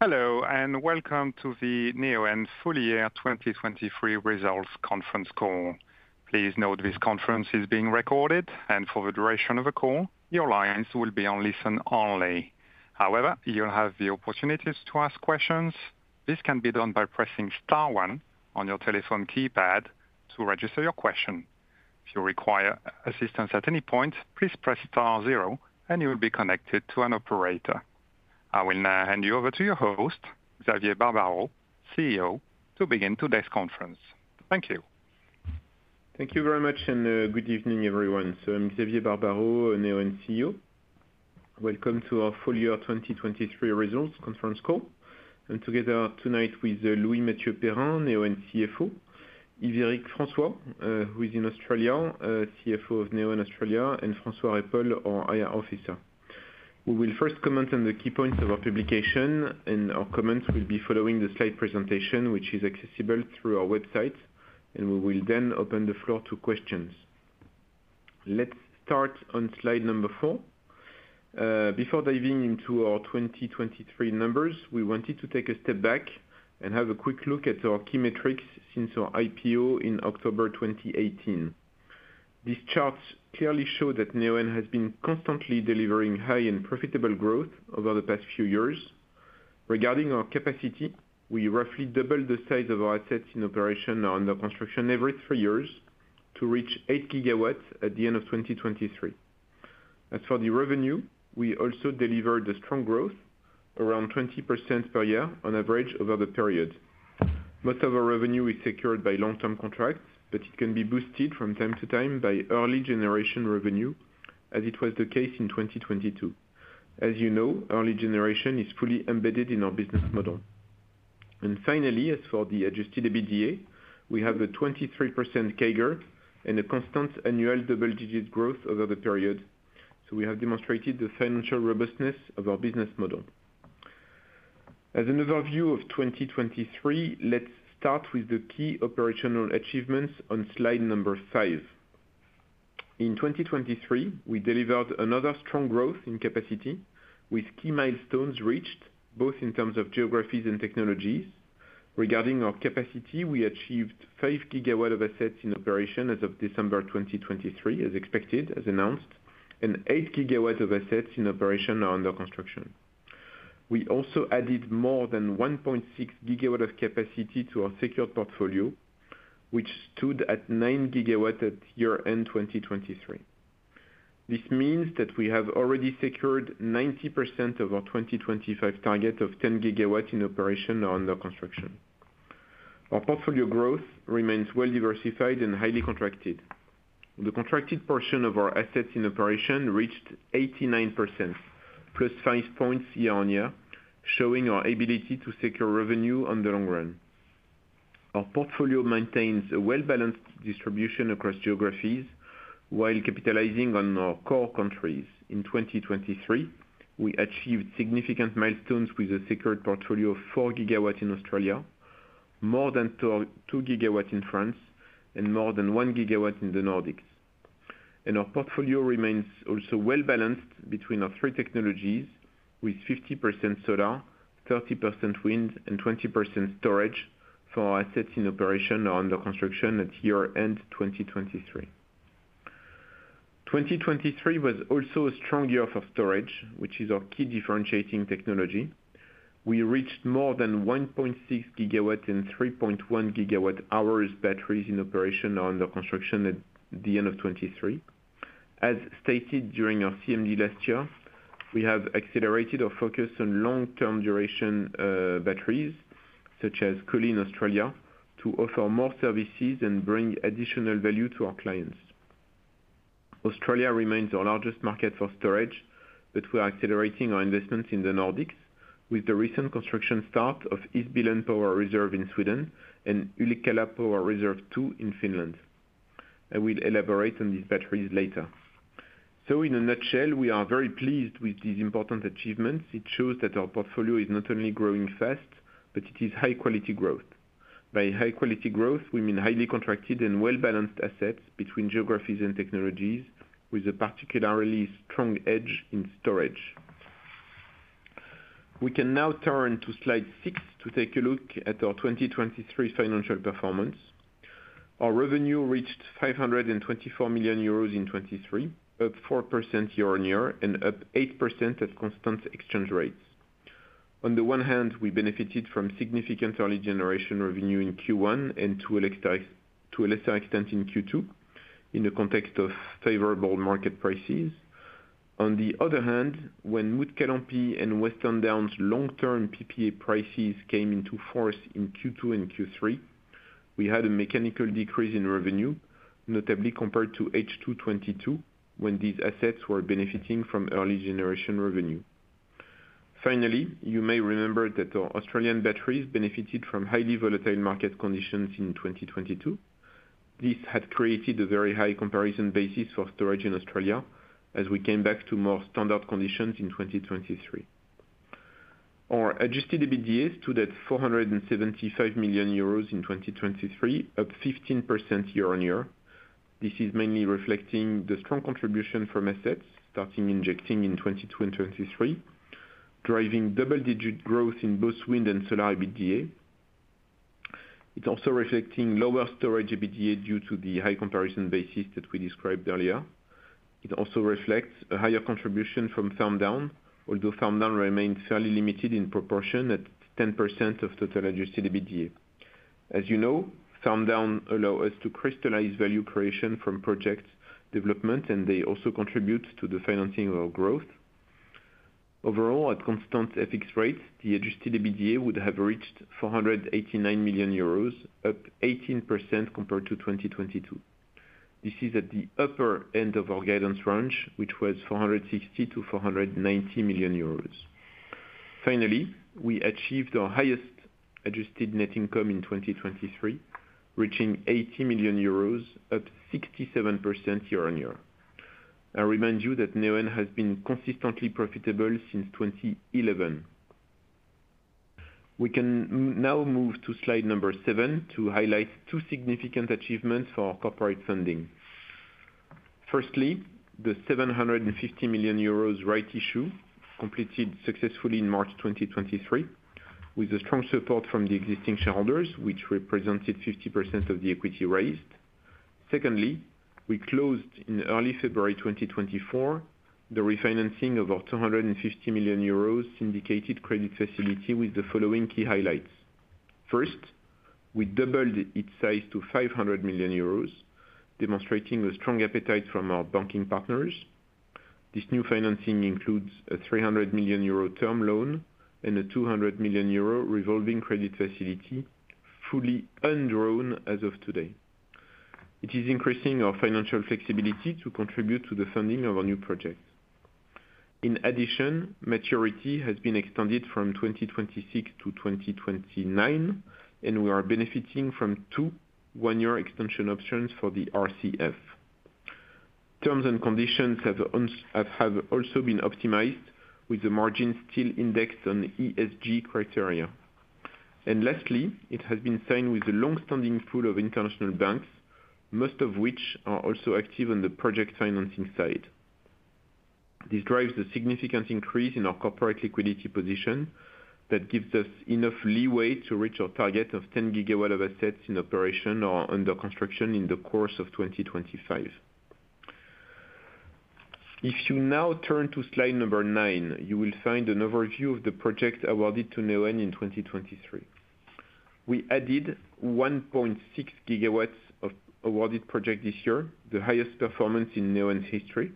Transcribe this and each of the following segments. Hello and welcome to the Neoen full year 2023 Results Conference call. Please note this conference is being recorded, and for the duration of the call, your lines will be on listen only. However, you'll have the opportunities to ask questions. This can be done by pressing * one on your telephone keypad to register your question. If you require assistance at any point, please press *0 and you will be connected to an operator. I will now hand you over to your host, Xavier Barbaro, CEO, to begin today's conference. Thank you. Thank you very much, and good evening everyone. So I'm Xavier Barbaro, Neoen CEO. Welcome to our full-year 2023 results conference call. I'm together tonight with Louis-Mathieu Perrin, Neoen CFO, Yves-Eric François, who is in Australia, CFO of Neoen Australia, and François Faure, our IR officer. We will first comment on the key points of our publication, and our comments will be following the slide presentation, which is accessible through our website, and we will then open the floor to questions. Let's start on slide number four. Before diving into our 2023 numbers, we wanted to take a step back and have a quick look at our key metrics since our IPO in October 2018. This chart clearly showed that Neoen has been constantly delivering high and profitable growth over the past few years. Regarding our capacity, we roughly doubled the size of our assets in operation or under construction every three years to reach eight GW at the end of 2023. As for the revenue, we also delivered a strong growth, around 20% per year on average over the period. Most of our revenue is secured by long-term contracts, but it can be boosted from time to time by early generation revenue, as it was the case in 2022. As you know, early generation is fully embedded in our business model. And finally, as for the Adjusted EBITDA, we have a 23% CAGR and a constant annual double-digit growth over the period. We have demonstrated the financial robustness of our business model. As an overview of 2023, let's start with the key operational achievements on slide number five. In 2023, we delivered another strong growth in capacity, with key milestones reached, both in terms of geographies and technologies. Regarding our capacity, we achieved 5 GW of assets in operation as of December 2023, as expected, as announced, and 8 GW of assets in operation or under construction. We also added more than 1.6 GW of capacity to our secured portfolio, which stood at 9 GW at year-end 2023. This means that we have already secured 90% of our 2025 target of 10 GW in operation or under construction. Our portfolio growth remains well diversified and highly contracted. The contracted portion of our assets in operation reached 89%, plus 5 points year-on-year, showing our ability to secure revenue on the long run. Our portfolio maintains a well-balanced distribution across geographies while capitalizing on our core countries. In 2023, we achieved significant milestones with a secured portfolio of 4 GW in Australia, more than 2 GW in France, and more than 1 GW in the Nordics. Our portfolio remains also well balanced between our three technologies, with 50% solar, 30% wind, and 20% storage for our assets in operation or under construction at year-end 2023. 2023 was also a strong year for storage, which is our key differentiating technology. We reached more than 1.6 GW and 3.1 GWh batteries in operation or under construction at the end of 2023. As stated during our CMD last year, we have accelerated our focus on long-duration batteries, such as Collie, Australia, to offer more services and bring additional value to our clients. Australia remains our largest market for storage, but we are accelerating our investments in the Nordics, with the recent construction start of Isbillen Power Reserve in Sweden and Yllikkälä Power Reserve 2 in Finland. I will elaborate on these batteries later. So in a nutshell, we are very pleased with these important achievements. It shows that our portfolio is not only growing fast, but it is high-quality growth. By high-quality growth, we mean highly contracted and well-balanced assets between geographies and technologies, with a particularly strong edge in storage. We can now turn to slide six to take a look at our 2023 financial performance. Our revenue reached 524 million euros in 2023, up 4% year-over-year and up 8% at constant exchange rates. On the one hand, we benefited from significant early generation revenue in Q1 and to a lesser extent in Q2, in the context of favorable market prices. On the other hand, when Mutkalampi and Western Downs' long-term PPA prices came into force in Q2 and Q3, we had a mechanical decrease in revenue, notably compared to H2 2022, when these assets were benefiting from early generation revenue. Finally, you may remember that our Australian batteries benefited from highly volatile market conditions in 2022. This had created a very high comparison basis for storage in Australia, as we came back to more standard conditions in 2023. Our adjusted EBITDA stood at 475 million euros in 2023, up 15% year-on-year. This is mainly reflecting the strong contribution from assets starting injecting in 2022-2023, driving double-digit growth in both wind and solar EBITDA. It's also reflecting lower storage EBITDA due to the high comparison basis that we described earlier. It also reflects a higher contribution from farm downs, although farm downs remain fairly limited in proportion at 10% of total Adjusted EBITDA. As you know, farm downs allow us to crystallize value creation from project development, and they also contribute to the financing of our growth. Overall, at constant FX rates, the Adjusted EBITDA would have reached 489 million euros, up 18% compared to 2022. This is at the upper end of our guidance range, which was 460 million-490 million euros. Finally, we achieved our highest adjusted net income in 2023, reaching 80 million euros, up 67% year-on-year. I remind you that Neoen has been consistently profitable since 2011. We can now move to slide number seven to highlight two significant achievements for our corporate funding. Firstly, the 750 million euros rights issue completed successfully in March 2023, with strong support from the existing shareholders, which represented 50% of the equity raised. Secondly, we closed in early February 2024 the refinancing of our 250 million euros syndicated credit facility with the following key highlights. First, we doubled its size to 500 million euros, demonstrating a strong appetite from our banking partners. This new financing includes a 300 million euro term loan and a 200 million euro revolving credit facility, fully undrawn as of today. It is increasing our financial flexibility to contribute to the funding of our new projects. In addition, maturity has been extended from 2026 to 2029, and we are benefiting from two one-year extension options for the RCF. Terms and conditions have also been optimized, with the margins still indexed on ESG criteria. Lastly, it has been signed with a long-standing pool of international banks, most of which are also active on the project financing side. This drives a significant increase in our corporate liquidity position that gives us enough leeway to reach our target of 10 GW of assets in operation or under construction in the course of 2025. If you now turn to slide number nine, you will find an overview of the projects awarded to Neoen in 2023. We added 1.6 GW of awarded projects this year, the highest performance in Neoen's history.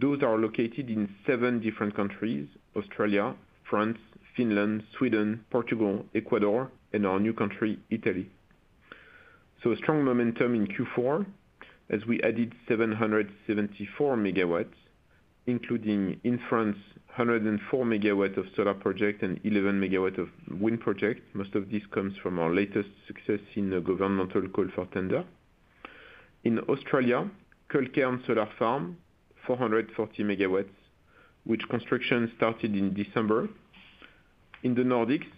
Those are located in seven different countries: Australia, France, Finland, Sweden, Portugal, Ecuador, and our new country, Italy. So a strong momentum in Q4, as we added 774 MW, including in France 104 MW of solar projects and 11 MW of wind projects. Most of this comes from our latest success in a governmental call for tender. In Australia, Culcairn Solar Farm, 440 MW, which construction started in December. In the Nordics,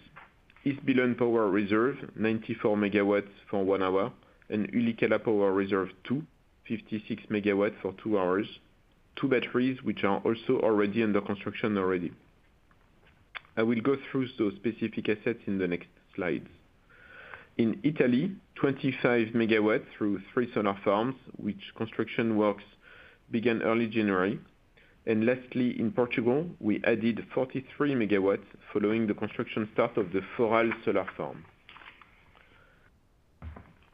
Isbillen Power Reserve, 94 MW for 1 hour, and Yllikkälä Power Reserve 2, 56 MW for 2 hours, two batteries which are also already under construction already. I will go through those specific assets in the next slides. In Italy, 25 MW through three solar farms, which construction works began early January. Lastly, in Portugal, we added 43 MW following the construction start of the Foral Solar Farm.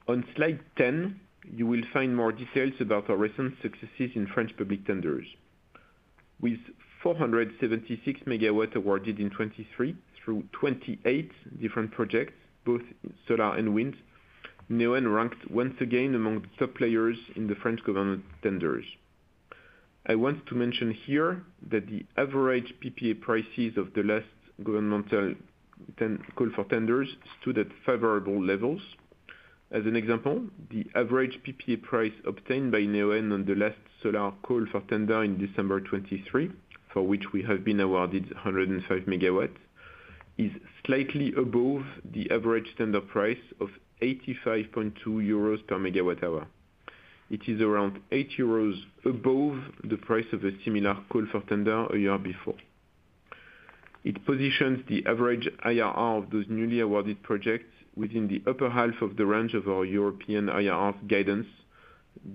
On slide 10, you will find more details about our recent successes in French public tenders. With 476 MW awarded in 2023 through 28 different projects, both solar and wind, Neoen ranked once again among the top players in the French government tenders. I want to mention here that the average PPA prices of the last governmental call for tenders stood at favorable levels. As an example, the average PPA price obtained by Neoen on the last solar call for tender in December 2023, for which we have been awarded 105 MW, is slightly above the average tender price of 85.2 euros per MWh. It is around 8 euros above the price of a similar call for tender a year before. It positions the average IRR of those newly awarded projects within the upper half of the range of our European IRR guidance,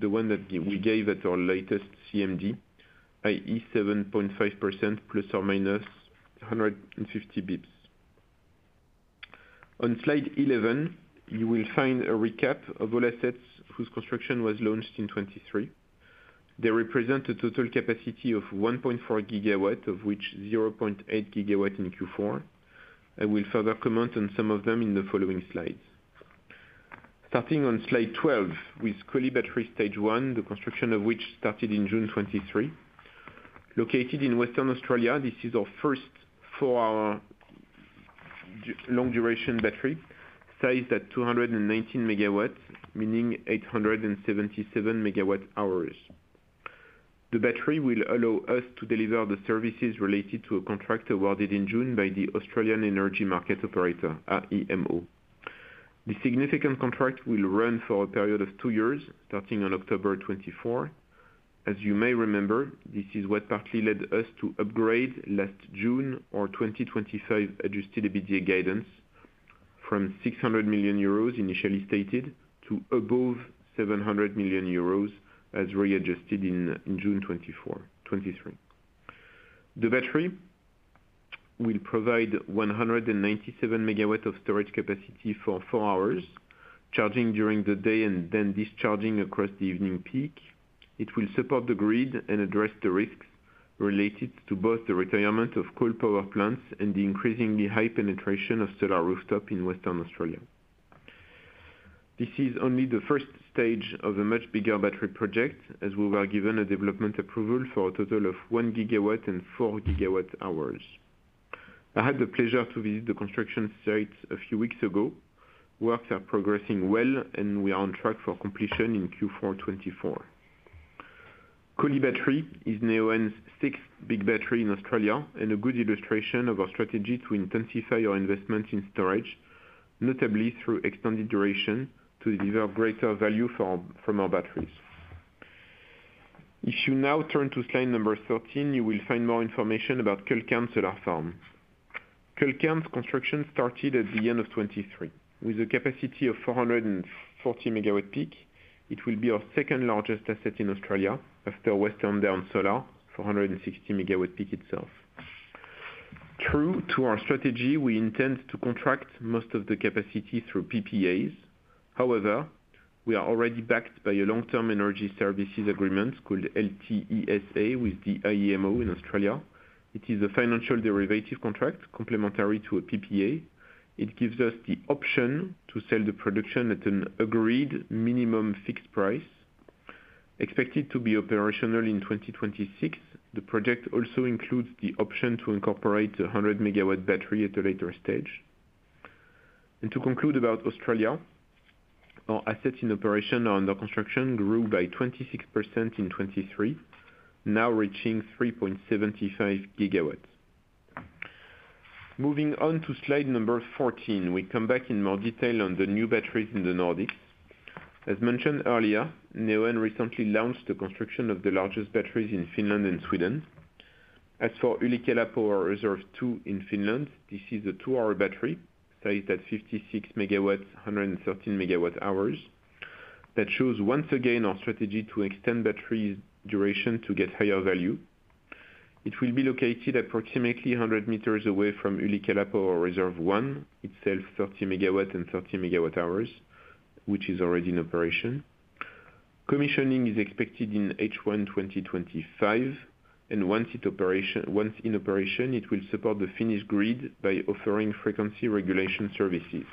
the one that we gave at our latest CMD, i.e., 7.5% ± 150 bps. On slide 11, you will find a recap of all assets whose construction was launched in 2023. They represent a total capacity of 1.4 GW, of which 0.8 GW in Q4. I will further comment on some of them in the following slides. Starting on slide 12, with Collie Battery Stage 1, the construction of which started in June 2023. Located in Western Australia, this is our first 4-hour long-duration battery, sized at 219 MW, meaning 877 MWh. The battery will allow us to deliver the services related to a contract awarded in June by the Australian Energy Market Operator, AEMO. This significant contract will run for a period of two years, starting on October 2024. As you may remember, this is what partly led us to upgrade last June our 2025 Adjusted EBITDA guidance from 600 million euros initially stated to above 700 million euros as readjusted in June 2023. The battery will provide 197 MW of storage capacity for 4 hours, charging during the day and then discharging across the evening peak. It will support the grid and address the risks related to both the retirement of coal power plants and the increasingly high penetration of solar rooftop in Western Australia. This is only the first stage of a much bigger battery project, as we were given a development approval for a total of 1 GW and 4 GWh. I had the pleasure to visit the construction sites a few weeks ago. Works are progressing well, and we are on track for completion in Q4 2024. Collie Battery is Neoen's sixth big battery in Australia and a good illustration of our strategy to intensify our investments in storage, notably through extended duration, to deliver greater value from our batteries. If you now turn to slide number 13, you will find more information about Culcairn Solar Farm. Culcairn's construction started at the end of 2023. With a capacity of 440 MWp, it will be our second largest asset in Australia after Western Downs' solar, 460 MWp itself. True to our strategy, we intend to contract most of the capacity through PPAs. However, we are already backed by a long-term energy services agreement called LTESA with the AEMO in Australia. It is a financial derivative contract complementary to a PPA. It gives us the option to sell the production at an agreed minimum fixed price, expected to be operational in 2026. The project also includes the option to incorporate a 100 MW battery at a later stage. To conclude about Australia, our assets in operation or under construction grew by 26% in 2023, now reaching 3.75 GW. Moving on to slide 14, we come back in more detail on the new batteries in the Nordics. As mentioned earlier, Neoen recently launched the construction of the largest batteries in Finland and Sweden. As for Yllikkälä Power Reserve 2 in Finland, this is a 2-hour battery, sized at 56 MW, 113 MWh. That shows once again our strategy to extend batteries' duration to get higher value. It will be located approximately 100 meters away from Yllikkälä Power Reserve 1, itself 30 MW and 30 MWh, which is already in operation. Commissioning is expected in H1 2025. Once in operation, it will support the Finnish grid by offering frequency regulation services.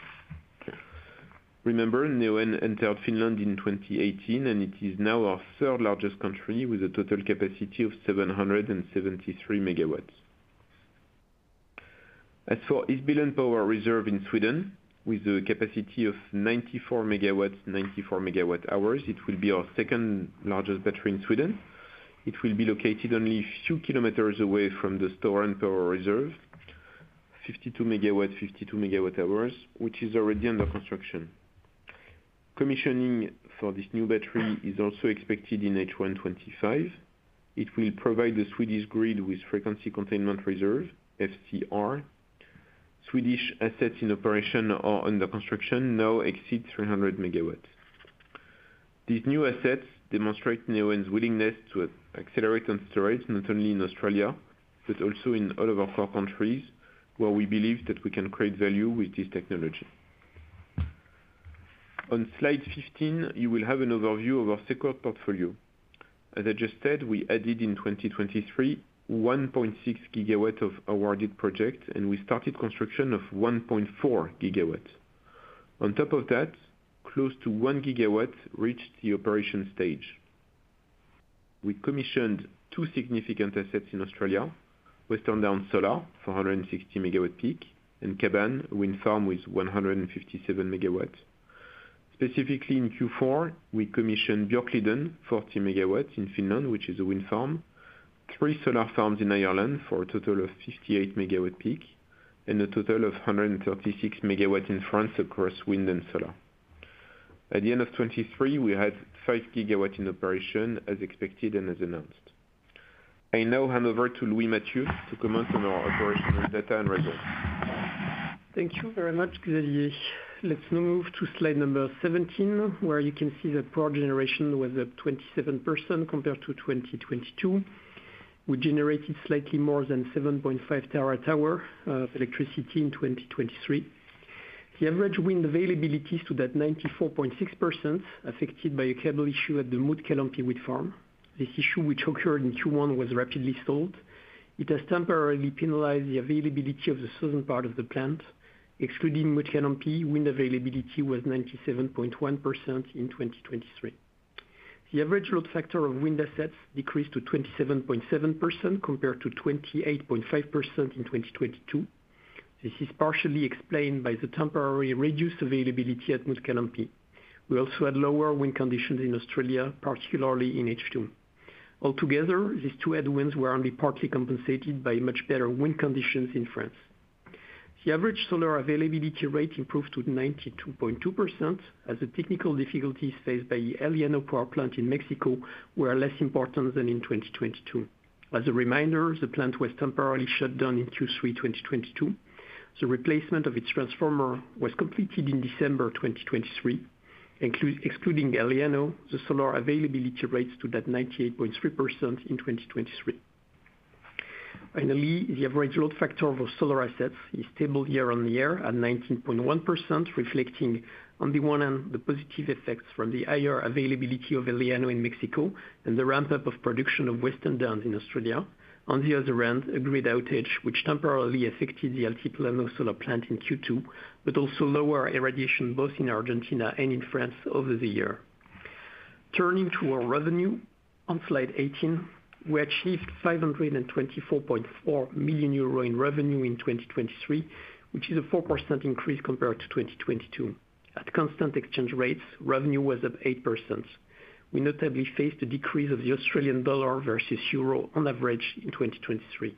Remember, Neoen entered Finland in 2018, and it is now our third largest country with a total capacity of 773 MW. As for Isbillen Power Reserve in Sweden, with a capacity of 94 MW, 94 MWh, it will be our second largest battery in Sweden. It will be located only a few kilometers away from the Stören Power Reserve, 52 MW, 52 MWh, which is already under construction. Commissioning for this new battery is also expected in H1 2025. It will provide the Swedish grid with frequency containment reserve, FCR. Swedish assets in operation or under construction now exceed 300 MW. These new assets demonstrate Neoen's willingness to accelerate and storage not only in Australia but also in all of our core countries, where we believe that we can create value with this technology. On slide 15, you will have an overview of our secured portfolio. As I just said, we added in 2023 1.6 GW of awarded projects, and we started construction of 1.4 GW. On top of that, close to 1 GW reached the operation stage. We commissioned two significant assets in Australia, Western Downs Solar, 460 MWp, and Kaban Wind Farm with 157 MW. Specifically in Q4, we commissioned Björkliden, 40 MW in Finland, which is a wind farm, three solar farms in Ireland for a total of 58 MWp, and a total of 136 MW in France across wind and solar. At the end of 2023, we had 5 GW in operation, as expected and as announced. I now hand over to Louis-Mathieu to comment on our operational data and results. Thank you very much, Xavier. Let's now move to slide 17, where you can see that power generation was up 27% compared to 2022. We generated slightly more than 7.5 TWh of electricity in 2023. The average wind availability stood at 94.6%, affected by a cable issue at the Mutkalampi Wind Farm. This issue, which occurred in Q1, was rapidly stalled. It has temporarily penalized the availability of the southern part of the plant. Excluding Mutkalampi, wind availability was 97.1% in 2023. The average load factor of wind assets decreased to 27.7% compared to 28.5% in 2022. This is partially explained by the temporary reduced availability at Mutkalampi. We also had lower wind conditions in Australia, particularly in H2. Altogether, these two add-ons were only partly compensated by much better wind conditions in France. The average solar availability rate improved to 92.2%, as the technical difficulties faced by the El Llano Power Plant in Mexico were less important than in 2022. As a reminder, the plant was temporarily shut down in Q3 2022. The replacement of its transformer was completed in December 2023. Excluding El Llano, the solar availability rate stood at 98.3% in 2023. Finally, the average load factor of our solar assets is stable year-on-year at 19.1%, reflecting, on the one hand, the positive effects from the higher availability of El Llano in Mexico and the ramp-up of production of Western Downs in Australia. On the other hand, a grid outage, which temporarily affected the Altiplano Solar Plant in Q2, but also lower irradiation both in Argentina and in France over the year. Turning to our revenue, on slide 18, we achieved 524.4 million euro in revenue in 2023, which is a 4% increase compared to 2022. At constant exchange rates, revenue was up 8%. We notably faced a decrease of the Australian dollar versus euro, on average, in 2023.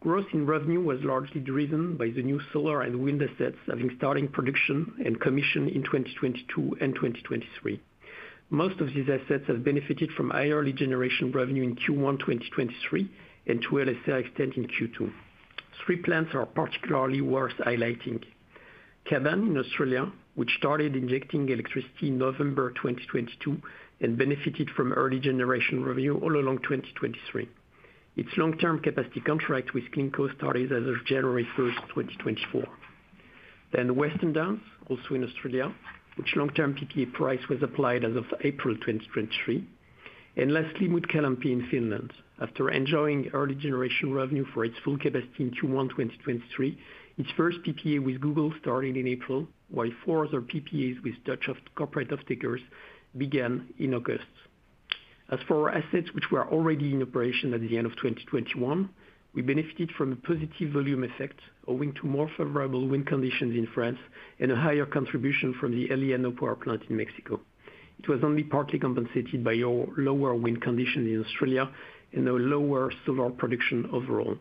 Growth in revenue was largely driven by the new solar and wind assets having started production and commission in 2022 and 2023. Most of these assets have benefited from higher early generation revenue in Q1 2023 and to a lesser extent in Q2. Three plants are particularly worth highlighting: Kaban in Australia, which started injecting electricity in November 2022 and benefited from early generation revenue all along 2023. Its long-term capacity contract with CleanCo started as of January 1, 2024. Then Western Downs, also in Australia, which long-term PPA price was applied as of April 2023. And lastly, Mutkalampi in Finland. After enjoying early generation revenue for its full capacity in Q1 2023, its first PPA with Google started in April, while four other PPAs with other corporate offtakers began in August. As for our assets, which were already in operation at the end of 2021, we benefited from a positive volume effect, owing to more favorable wind conditions in France and a higher contribution from the El Llano Power Plant in Mexico. It was only partly compensated by lower wind conditions in Australia and a lower solar production overall.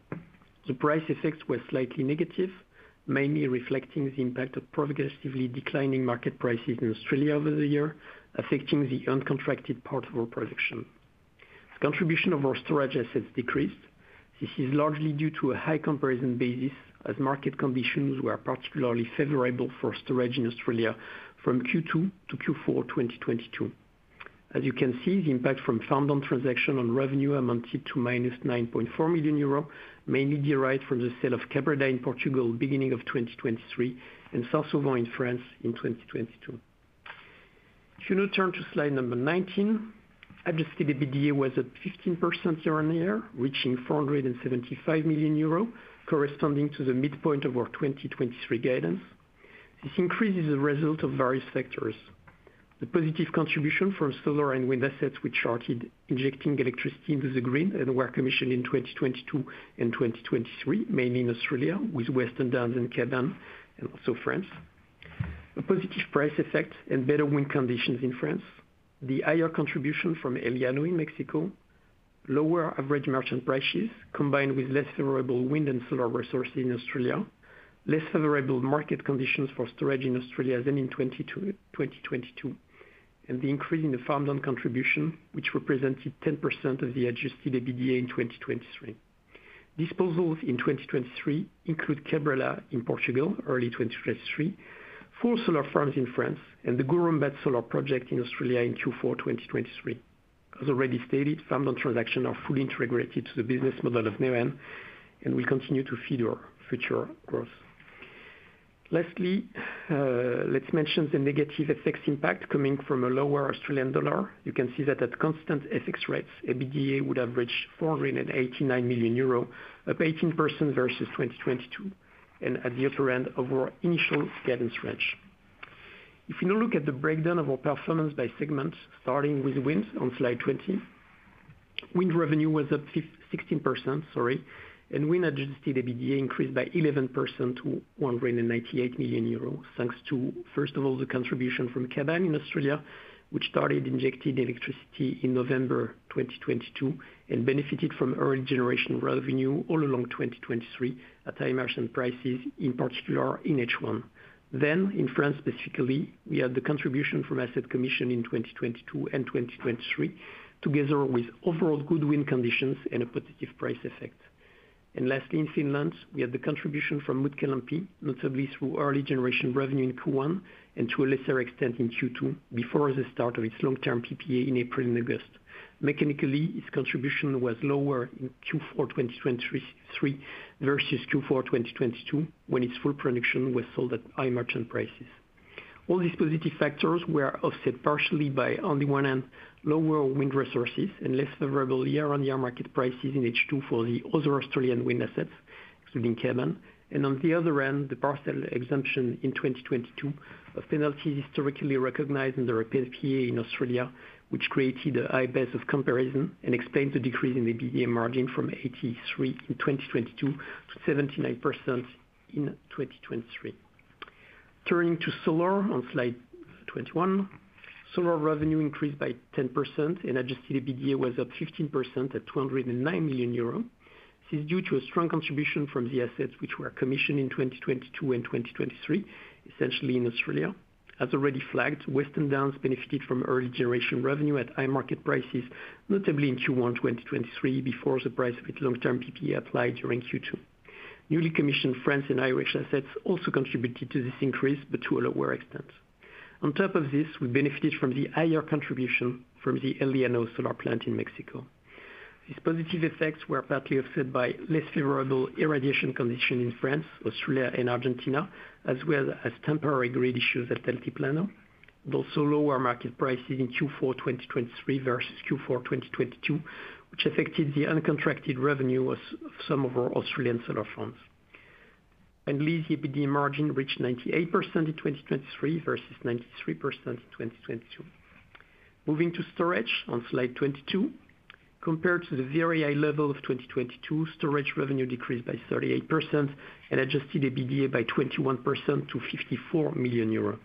The price effects were slightly negative, mainly reflecting the impact of progressively declining market prices in Australia over the year, affecting the uncontracted part of our production. The contribution of our storage assets decreased. This is largely due to a high comparison basis, as market conditions were particularly favorable for storage in Australia from Q2 to Q4 2022. As you can see, the impact from farm-down transaction on revenue amounted to minus 9.4 million euro, mainly derived from the sale of Cabrela in Portugal beginning of 2023 and Sarcelle wind in France in 2022. If you now turn to slide number 19, Adjusted EBITDA was up 15% year-over-year, reaching 475 million euro, corresponding to the midpoint of our 2023 guidance. This increase is a result of various factors. The positive contribution from solar and wind assets, which started injecting electricity into the grid and were commissioned in 2022 and 2023, mainly in Australia, with Western Downs and Kaban and also France. A positive price effect and better wind conditions in France. The higher contribution from El Llano in Mexico. Lower average merchant prices, combined with less favorable wind and solar resources in Australia. Less favorable market conditions for storage in Australia than in 2022. The increase in the farm-down contribution, which represented 10% of the Adjusted EBITDA in 2023. Disposals in 2023 include Cabrela in Portugal, early 2023. Four solar farms in France. The Goorambat Solar Project in Australia in Q4 2023. As already stated, farm-down transactions are fully integrated to the business model of Neoen and will continue to feed our future growth. Lastly, let's mention the negative effects impact coming from a lower Australian dollar. You can see that at constant exchange rates, EBITDA would have reached 489 million euro, up 18% versus 2022, and at the upper end of our initial guidance range. If you now look at the breakdown of our performance by segment, starting with wind on slide 20, wind revenue was up 16%, sorry, and wind adjusted EBITDA increased by 11% to 198 million euros, thanks to, first of all, the contribution from Kaban in Australia, which started injecting electricity in November 2022 and benefited from early generation revenue all along 2023 at high merchant prices, in particular in H1. Then, in France specifically, we had the contribution from asset commissioning in 2022 and 2023, together with overall good wind conditions and a positive price effect. And lastly, in Finland, we had the contribution from Mutkalampi, notably through early generation revenue in Q1 and to a lesser extent in Q2, before the start of its long-term PPA in April and August. Mechanically, its contribution was lower in Q4 2023 versus Q4 2022, when its full production was sold at high merchant prices. All these positive factors were offset partially by, on the one hand, lower wind resources and less favorable year-on-year market prices in H2 for the other Australian wind assets, including Kaban. On the other hand, the parcel exemption in 2022 of penalties historically recognized under a PPA in Australia, which created a high base of comparison and explained the decrease in EBITDA margin from 83% in 2022 to 79% in 2023. Turning to solar on slide 21, solar revenue increased by 10%, and adjusted EBITDA was up 15% at 209 million euro. This is due to a strong contribution from the assets, which were commissioned in 2022 and 2023, essentially in Australia. As already flagged, Western Downs benefited from early generation revenue at high market prices, notably in Q1 2023, before the price of its long-term PPA applied during Q2. Newly commissioned France and Irish assets also contributed to this increase, but to a lower extent. On top of this, we benefited from the higher contribution from the El Llano Solar Plant in Mexico. These positive effects were partly offset by less favorable irradiation conditions in France, Australia, and Argentina, as well as temporary grid issues at Altiplano. Also lower market prices in Q4 2023 versus Q4 2022, which affected the uncontracted revenue of some of our Australian solar farms. Finally, the EBITDA margin reached 98% in 2023 versus 93% in 2022. Moving to storage on slide 22, compared to the very high level of 2022, storage revenue decreased by 38% and adjusted EBITDA by 21% to 54 million euros.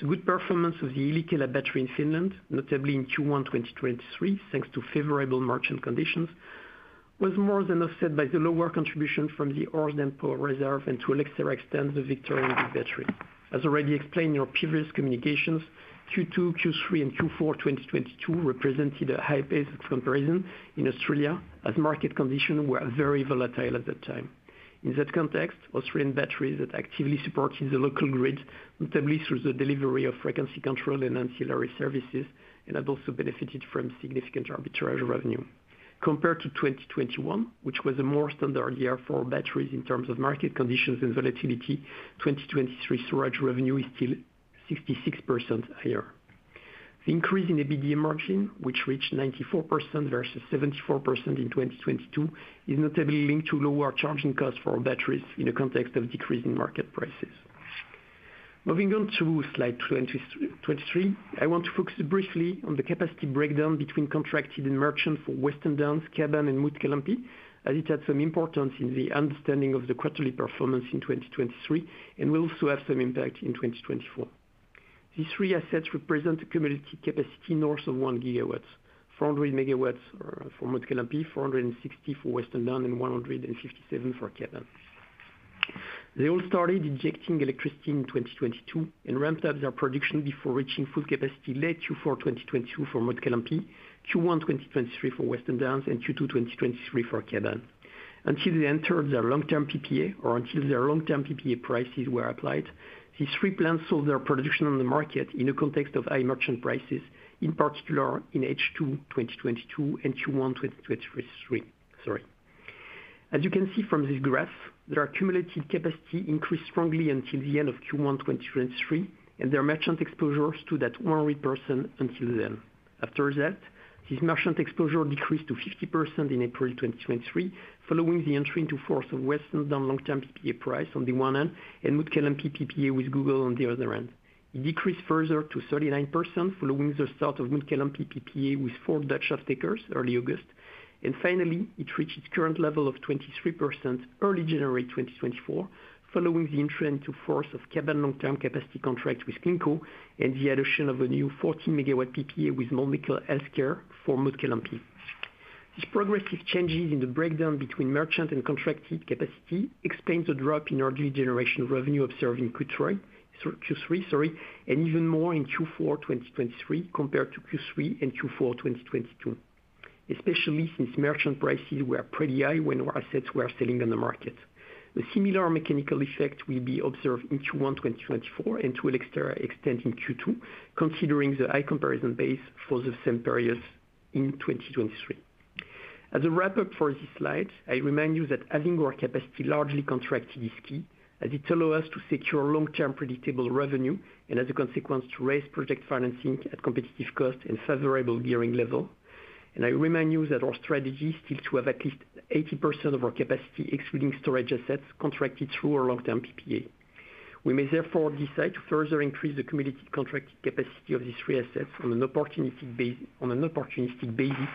The good performance of the Yllikkälä battery in Finland, notably in Q1 2023, thanks to favorable merchant conditions, was more than offset by the lower contribution from the Hornsdale Power Reserve and to a lesser extent the Victorian Big Battery. As already explained in our previous communications, Q2, Q3, and Q4 2022 represented a high base of comparison in Australia, as market conditions were very volatile at that time. In that context, Australian batteries that actively supported the local grid, notably through the delivery of frequency control and ancillary services, had also benefited from significant arbitrage revenue. Compared to 2021, which was a more standard year for batteries in terms of market conditions and volatility, 2023 storage revenue is still 66% higher. The increase in EBITDA margin, which reached 94% versus 74% in 2022, is notably linked to lower charging costs for batteries in a context of decreasing market prices. Moving on to slide 23, I want to focus briefly on the capacity breakdown between contracted and merchant for Western Downs, Kaban, and Mutkalampi, as it had some importance in the understanding of the quarterly performance in 2023 and will also have some impact in 2024. These three assets represent a commodity capacity north of 1 GW: 400 MW for Mutkalampi, 460 MW for Western Downs, and 157 MW for Kaban. They all started injecting electricity in 2022 and ramped up their production before reaching full capacity late Q4 2022 for Mutkalampi, Q1 2023 for Western Downs, and Q2 2023 for Kaban. Until they entered their long-term PPA, or until their long-term PPA prices were applied, these three plants sold their production on the market in a context of high merchant prices, in particular in H2 2022 and Q1 2023. Sorry. As you can see from this graph, their accumulated capacity increased strongly until the end of Q1 2023, and their merchant exposure stood at 100% until then. After that, this merchant exposure decreased to 50% in April 2023, following the entry into force of Western Downs long-term PPA price on the one hand and Mutkalampi PPA with Google on the other hand. It decreased further to 39% following the start of Mutkalampi PPA with four Dutch offtakers early August. Finally, it reached its current level of 23% early January 2024, following the entry into force of Kaban long-term capacity contract with CleanCo and the addition of a new 14-MW PPA with Mölnlycke Health Care for Mutkalampi. These progressive changes in the breakdown between merchant and contracted capacity explain the drop in early generation revenue observed in Q3, sorry, and even more in Q4 2023 compared to Q3 and Q4 2022, especially since merchant prices were pretty high when our assets were selling on the market. A similar mechanical effect will be observed in Q1 2024 and to a lesser extent in Q2, considering the high comparison base for the same period in 2023. As a wrap-up for this slide, I remind you that having our capacity largely contracted is key, as it allows us to secure long-term predictable revenue and, as a consequence, to raise project financing at competitive cost and favorable gearing level. I remind you that our strategy is still to have at least 80% of our capacity, excluding storage assets, contracted through our long-term PPA. We may therefore decide to further increase the commodity contracted capacity of these three assets on an opportunistic basis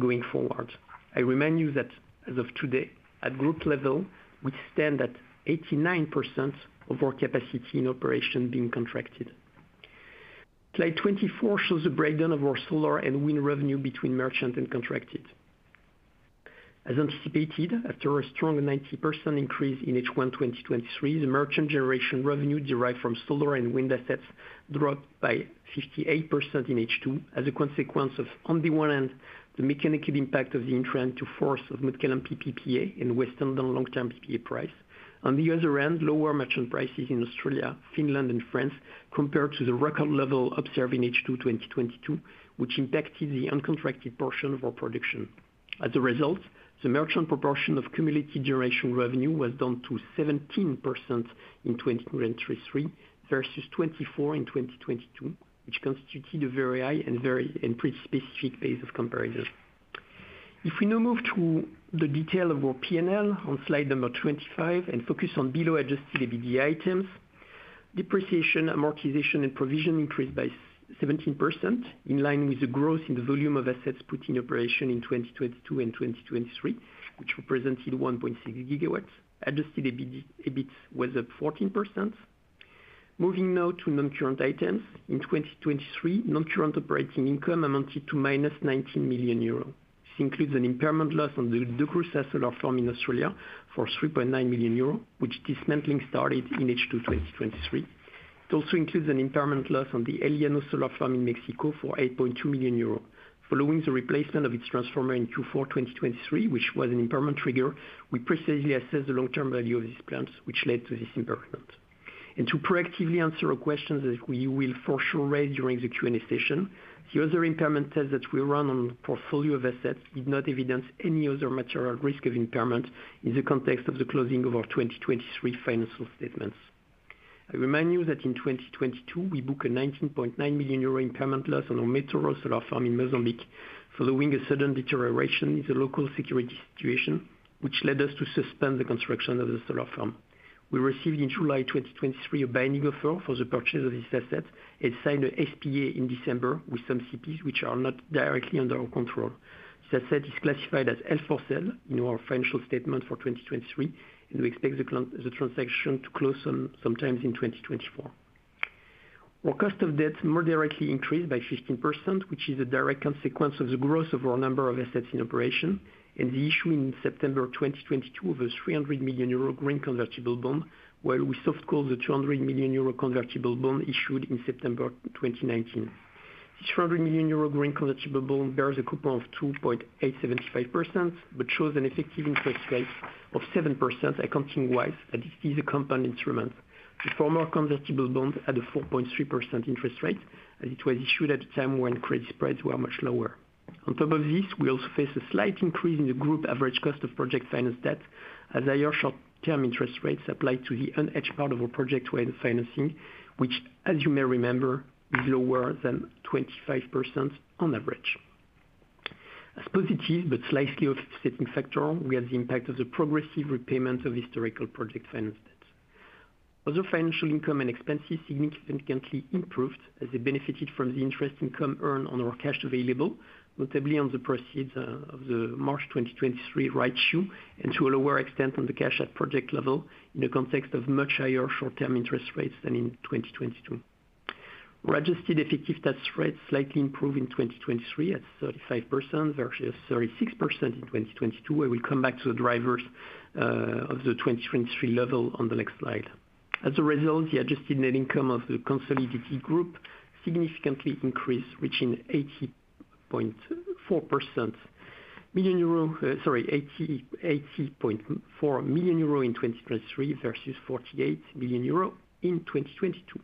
going forward. I remind you that, as of today, at group level, we stand at 89% of our capacity in operation being contracted. Slide 24 shows the breakdown of our solar and wind revenue between merchant and contracted. As anticipated, after a strong 90% increase in H1 2023, the merchant generation revenue derived from solar and wind assets dropped by 58% in H2 as a consequence of, on the one hand, the mechanical impact of the entry into force of Mutkalampi PPA and Western Downs long-term PPA price. On the other hand, lower merchant prices in Australia, Finland, and France compared to the record level observed in H2 2022, which impacted the uncontracted portion of our production. As a result, the merchant proportion of commodity generation revenue was down to 17% in 2023 versus 24% in 2022, which constituted a very high and pretty specific base of comparison. If we now move to the detail of our P&L on slide 25 and focus on below-adjusted EBITDA items, depreciation, amortization, and provision increased by 17% in line with the growth in the volume of assets put in operation in 2022 and 2023, which represented 1.6 GW. Adjusted EBITDA was up 14%. Moving now to non-current items, in 2023, non-current operating income amounted to -19 million euro. This includes an impairment loss on the DeGrussa Solar Farm in Australia for 3.9 million euro, which dismantling started in H2 2023. It also includes an impairment loss on the El Llano Solar Farm in Mexico for 8.2 million euros. Following the replacement of its transformer in Q4 2023, which was an impairment trigger, we precisely assessed the long-term value of these plants, which led to this impairment. And to proactively answer a question that we will for sure raise during the Q&A session, the other impairment test that we run on the portfolio of assets did not evidence any other material risk of impairment in the context of the closing of our 2023 financial statements. I remind you that in 2022, we booked a 19.9 million euro impairment loss on our Metoro Solar Farm in Mozambique, following a sudden deterioration in the local security situation, which led us to suspend the construction of the solar farm. We received in July 2023 a binding offer for the purchase of this asset and signed an SPA in December with some CPs, which are not directly under our control. This asset is classified as L4 cell in our financial statement for 2023, and we expect the transaction to close sometimes in 2024. Our cost of debt more directly increased by 15%, which is a direct consequence of the growth of our number of assets in operation and the issue in September 2022 of a 300 million euro green convertible bond, while we soft-called the 200 million euro convertible bond issued in September 2019. This 400 million euro green convertible bond bears a coupon of 2.875% but shows an effective interest rate of 7% accounting-wise, as it is a compound instrument. The former convertible bond had a 4.3% interest rate, as it was issued at a time when credit spreads were much lower. On top of this, we also face a slight increase in the group average cost of project finance debt, as higher short-term interest rates applied to the unhedged part of our project financing, which, as you may remember, is lower than 25% on average. As positive but slightly offsetting factor, we have the impact of the progressive repayment of historical project finance debt. Other financial income and expenses significantly improved as they benefited from the interest income earned on our cash available, notably on the proceeds of the March 2023 rights issue, and to a lower extent on the cash at project level in a context of much higher short-term interest rates than in 2022. Our adjusted effective tax rates slightly improved in 2023 at 35% versus 36% in 2022. I will come back to the drivers of the 2023 level on the next slide. As a result, the adjusted net income of the consolidated group significantly increased, reaching 80.4 million euro in 2023 versus 48 million euro in 2022.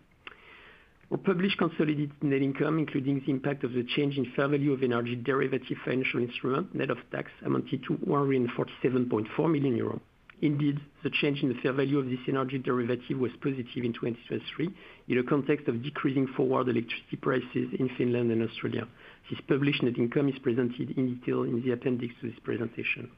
Our published consolidated net income, including the impact of the change in fair value of energy derivative financial instrument net of tax, amounted to 147.4 million euros. Indeed, the change in the fair value of this energy derivative was positive in 2023 in a context of decreasing forward electricity prices in Finland and Australia. This published net income is presented in detail in the appendix to this presentation.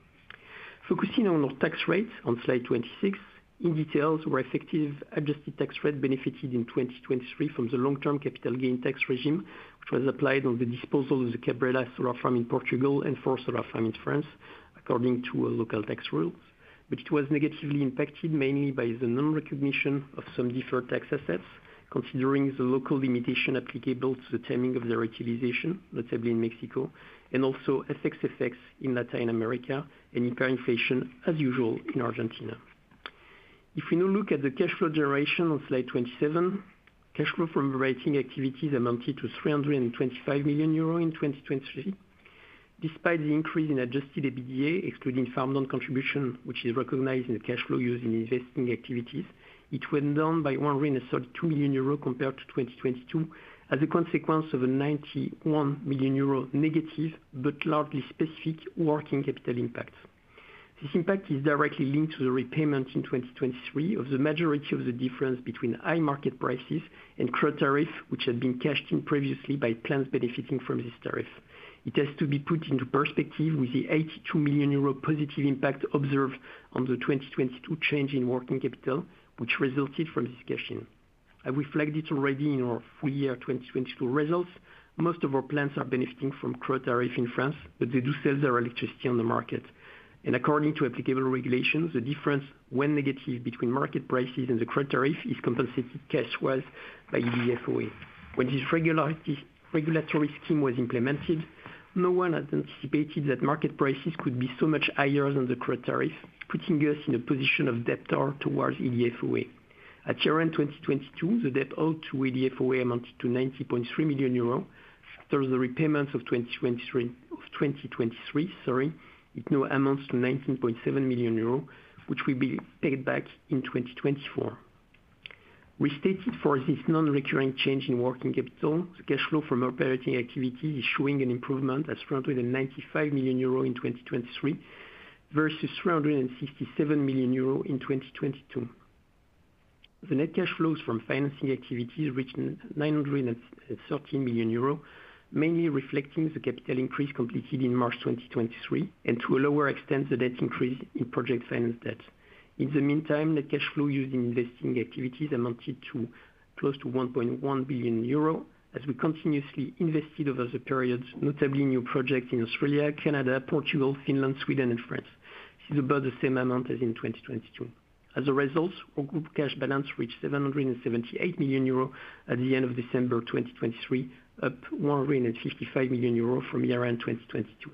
Focusing on our tax rate on slide 26, in detail, our effective adjusted tax rate benefited in 2023 from the long-term capital gain tax regime, which was applied on the disposal of the Cabrela Solar Farm in Portugal and for solar farm in France, according to local tax rules. It was negatively impacted mainly by the non-recognition of some deferred tax assets, considering the local limitation applicable to the timing of their utilization, notably in Mexico, and also FX effects in Latin America and hyperinflation, as usual, in Argentina. If we now look at the cash flow generation on slide 27, cash flow from operating activities amounted to 325 million euro in 2023. Despite the increase in Adjusted EBITDA, excluding farm-down contribution, which is recognized in the cash flow used in investing activities, it went down by 132 million euros compared to 2022 as a consequence of a 91 million euro negative but largely specific working capital impact. This impact is directly linked to the repayment in 2023 of the majority of the difference between high market prices and regulated tariff, which had been cashed in previously by plants benefiting from this tariff. It has to be put into perspective with the 82 million euro positive impact observed on the 2022 change in working capital, which resulted from this cash in. I've reflected already in our full year 2022 results. Most of our plants are benefiting from feed-in tariff in France, but they do sell their electricity on the market. According to applicable regulations, the difference, when negative, between market prices and the feed-in tariff is compensated cash-wise by EDF OA. When this regulatory scheme was implemented, no one had anticipated that market prices could be so much higher than the feed-in tariff, putting us in a position of debtor towards EDF OA. At year-end 2022, the debt owed to EDF OA amounted to 90.3 million euros after the repayments of 2023, sorry, it now amounts to 19.7 million euro, which will be paid back in 2024. Restated for this non-recurring change in working capital, the cash flow from operating activities is showing an improvement at 395 million euro in 2023 versus 367 million euro in 2022. The net cash flows from financing activities reached 913 million euros, mainly reflecting the capital increase completed in March 2023 and, to a lower extent, the debt increase in project finance debt. In the meantime, net cash flow used in investing activities amounted to close to 1.1 billion euro as we continuously invested over the period, notably in new projects in Australia, Canada, Portugal, Finland, Sweden, and France. This is about the same amount as in 2022. As a result, our group cash balance reached 778 million euros at the end of December 2023, up 155 million euros from year-end 2022.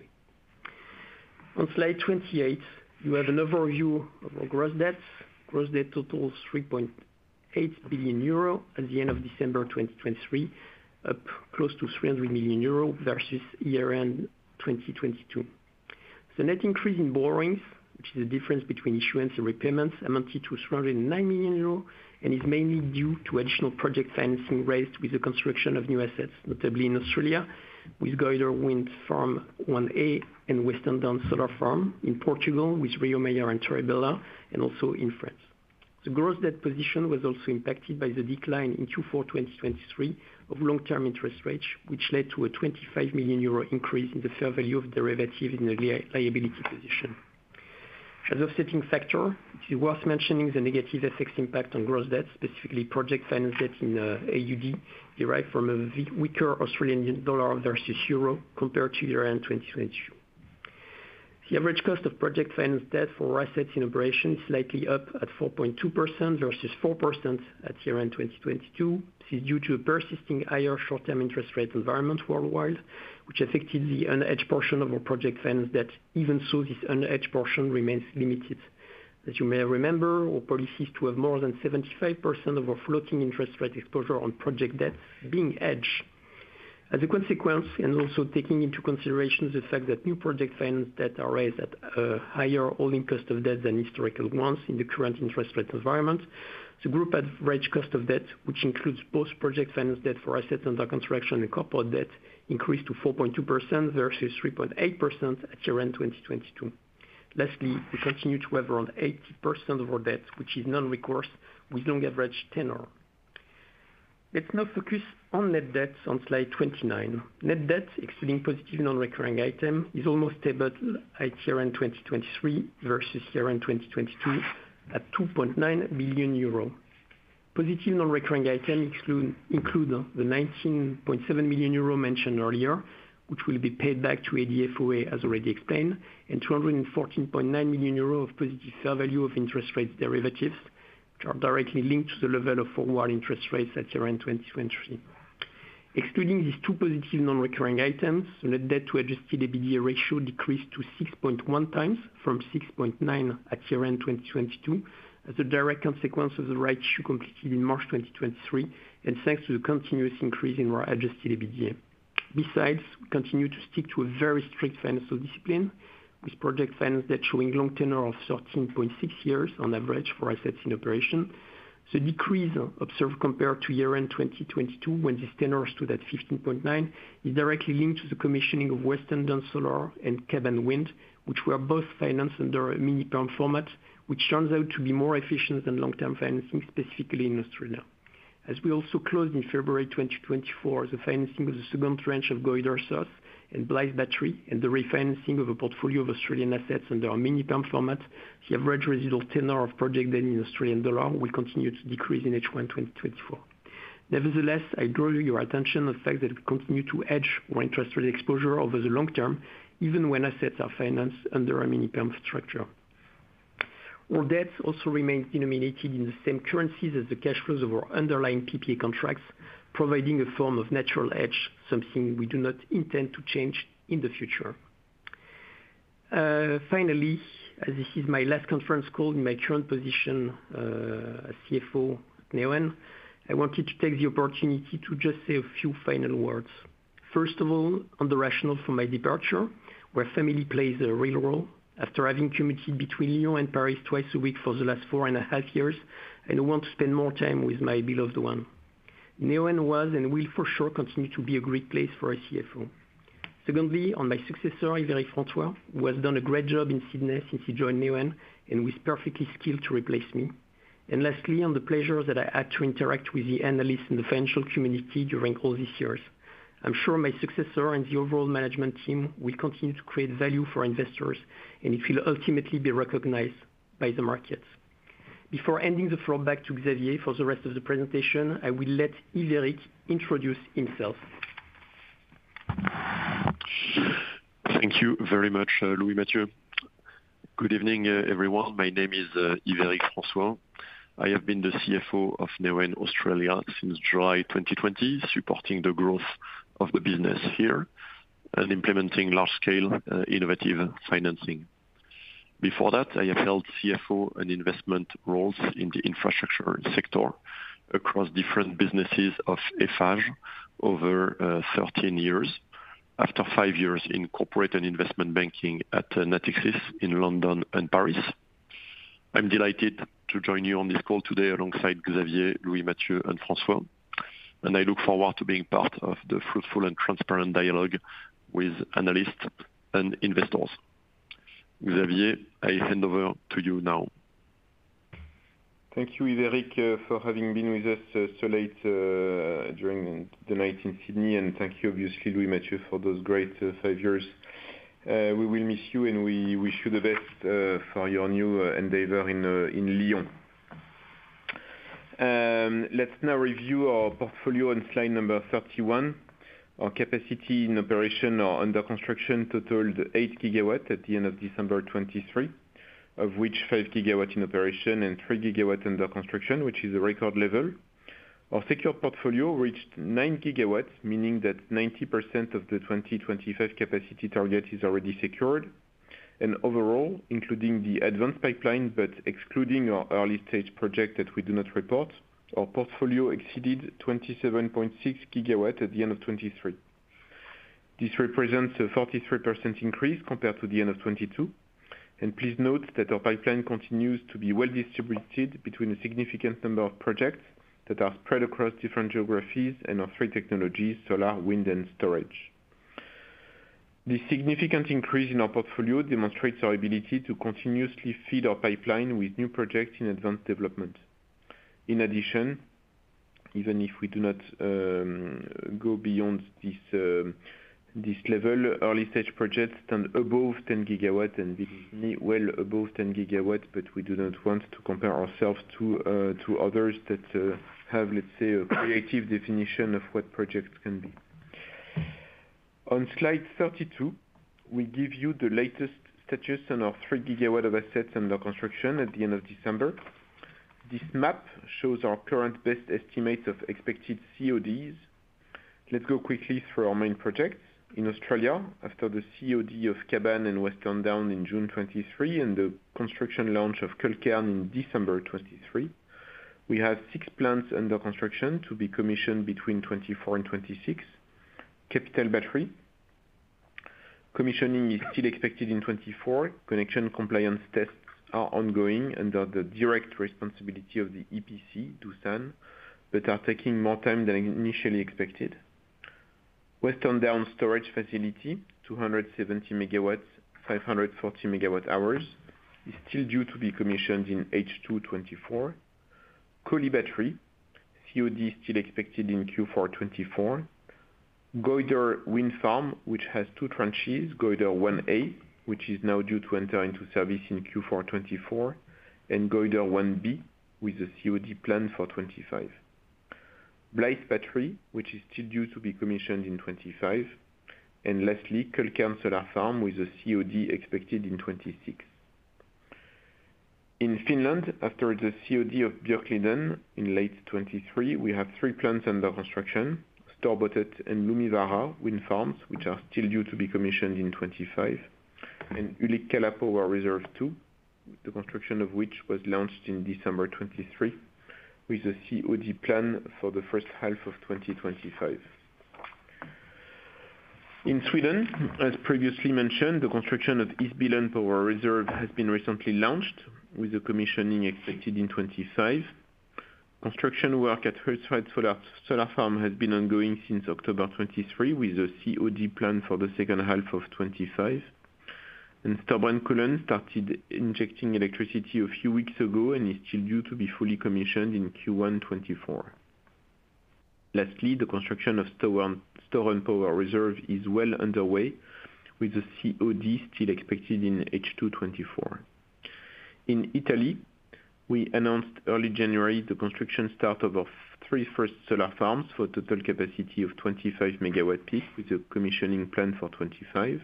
On slide 28, you have an overview of our gross debts. Gross debt totaled 3.8 billion euro at the end of December 2023, up close to 300 million euro versus year-end 2022. The net increase in borrowings, which is the difference between issuance and repayments, amounted to 309 million euros and is mainly due to additional project financing raised with the construction of new assets, notably in Australia with Goyder Wind Farm 1A and Western Downs Solar Farm, in Portugal with Rio Maior and Torre Bela, and also in France. The gross debt position was also impacted by the decline in Q4 2023 of long-term interest rates, which led to a 25 million euro increase in the fair value of derivatives in the liability position. As an offsetting factor, it is worth mentioning the negative effects impact on gross debt, specifically project finance debt in AUD, derived from a weaker Australian dollar versus euro compared to year-end 2022. The average cost of project finance debt for assets in operation is slightly up at 4.2% versus 4% at year-end 2022. This is due to a persisting higher short-term interest rate environment worldwide, which affected the unhedged portion of our project finance debt, even though this unhedged portion remains limited. As you may remember, our policy is to have more than 75% of our floating interest rate exposure on project debts being hedged. As a consequence, and also taking into consideration the fact that new project finance debt arises at a higher holding cost of debt than historical ones in the current interest rate environment, the group average cost of debt, which includes both project finance debt for assets under construction and corporate debt, increased to 4.2% versus 3.8% at year-end 2022. Lastly, we continue to have around 80% of our debt, which is non-recourse, with long average tenor. Let's now focus on net debt on slide 29. Net debt, excluding positive non-recurring items, is almost stable at year-end 2023 versus year-end 2022 at 2.9 billion euro. Positive non-recurring items include the 19.7 million euro mentioned earlier, which will be paid back to EDF OA, as already explained, and 214.9 million euro of positive fair value of interest rates derivatives, which are directly linked to the level of forward interest rates at year-end 2023. Excluding these two positive non-recurring items, the net debt to adjusted EBITDA ratio decreased to 6.1 times from 6.9 at year-end 2022 as a direct consequence of the rights issue completed in March 2023 and thanks to the continuous increase in our adjusted EBITDA. Besides, we continue to stick to a very strict financial discipline, with project finance debt showing long tenor of 13.6 years on average for assets in operation. The decrease observed compared to year-end 2022, when this tenor stood at 15.9, is directly linked to the commissioning of Western Downs Solar and Kaban Wind, which were both financed under a mini-perm format, which turns out to be more efficient than long-term financing, specifically in Australia. As we also closed in February 2024 the financing of the second tranche of Goyder South and Blyth Battery and the refinancing of a portfolio of Australian assets under a mini-perm format, the average residual tenor of project debt in Australian dollar will continue to decrease in H1 2024. Nevertheless, I draw your attention to the fact that we continue to hedge our interest rate exposure over the long term, even when assets are financed under a mini-perm structure. Our debts also remain denominated in the same currencies as the cash flows of our underlying PPA contracts, providing a form of natural hedge, something we do not intend to change in the future. Finally, as this is my last conference call in my current position as CFO at Neoen, I wanted to take the opportunity to just say a few final words. First of all, on the rationale for my departure, where family plays a real role, after having commuted between Lyon and Paris twice a week for the last four and a half years, I now want to spend more time with my beloved one. Neoen was and will for sure continue to be a great place for a CFO. Secondly, on my successor, Yves-Eric François, who has done a great job in Sydney since he joined Neoen and was perfectly skilled to replace me. Lastly, on the pleasures that I had to interact with the analysts in the financial community during all these years. I'm sure my successor and the overall management team will continue to create value for investors, and it will ultimately be recognized by the markets. Before handing the floor back to Xavier for the rest of the presentation, I will let Yves-Eric introduce himself. Thank you very much, Louis-Mathieu. Good evening, everyone. My name is Yves-Eric François. I have been the CFO of Neoen Australia since July 2020, supporting the growth of the business here and implementing large-scale innovative financing. Before that, I have held CFO and investment roles in the infrastructure sector across different businesses of Eiffage over 13 years, after 5 years in corporate and investment banking at Natixis in London and Paris. I'm delighted to join you on this call today alongside Xavier, Louis-Mathieu, and François. I look forward to being part of the fruitful and transparent dialogue with analysts and investors. Xavier, I hand over to you now. Thank you, Yves-Eric, for having been with us so late during the night in Sydney. And thank you, obviously, Louis-Mathieu, for those great five years. We will miss you, and we wish you the best for your new endeavor in Lyon. Let's now review our portfolio on slide 31. Our capacity in operation under construction totaled 8 GW at the end of December 2023, of which 5 GW in operation and 3 GW under construction, which is a record level. Our secure portfolio reached 9 GW, meaning that 90% of the 2025 capacity target is already secured. And overall, including the advanced pipeline but excluding our early-stage project that we do not report, our portfolio exceeded 27.6 GW at the end of 2023. This represents a 43% increase compared to the end of 2022. Please note that our pipeline continues to be well distributed between a significant number of projects that are spread across different geographies and our three technologies, solar, wind, and storage. This significant increase in our portfolio demonstrates our ability to continuously feed our pipeline with new projects in advanced development. In addition, even if we do not go beyond this level, early-stage projects stand above 10 GW and reach well above 10 GW, but we do not want to compare ourselves to others that have, let's say, a creative definition of what projects can be. On slide 32, we give you the latest status on our 3 GW of assets under construction at the end of December. This map shows our current best estimates of expected CODs. Let's go quickly through our main projects. In Australia, after the COD of Kaban and Western Downs in June 2023 and the construction launch of Culcairn in December 2023, we have six plants under construction to be commissioned between 2024 and 2026: Capital Battery. Commissioning is still expected in 2024. Connection compliance tests are ongoing under the direct responsibility of the EPC, Doosan, but are taking more time than initially expected. Western Downs Storage Facility, 270 MW, 540 MWh, is still due to be commissioned in H2 2024. Collie Battery, COD still expected in Q4 2024. Goyder Wind Farm, which has two tranches, Goyder 1A, which is now due to enter into service in Q4 2024, and Goyder 1B with a COD planned for 2025. Blyth Battery, which is still due to be commissioned in 2025. And lastly, Culcairn Solar Farm with a COD expected in 2026. In Finland, after the COD of Björkliden in late 2023, we have three plants under construction: Storbötet and Lumivaara Wind Farms, which are still due to be commissioned in 2025. Yllikkälä Power Reserve, too, the construction of which was launched in December 2023 with a COD planned for the first half of 2025. In Sweden, as previously mentioned, the construction of Isbillen Power Reserve has been recently launched with a commissioning expected in 2025. Construction work at Hultsfred Solar Farm has been ongoing since October 2023 with a COD planned for the second half of 2025. Storbrännkullen started injecting electricity a few weeks ago and is still due to be fully commissioned in Q1 2024. Lastly, the construction of Stören Power Reserve is well underway with a COD still expected in H2 2024. In Italy, we announced early January the construction start of our three first solar farms for a total capacity of 25 MWp with a commissioning planned for 2025.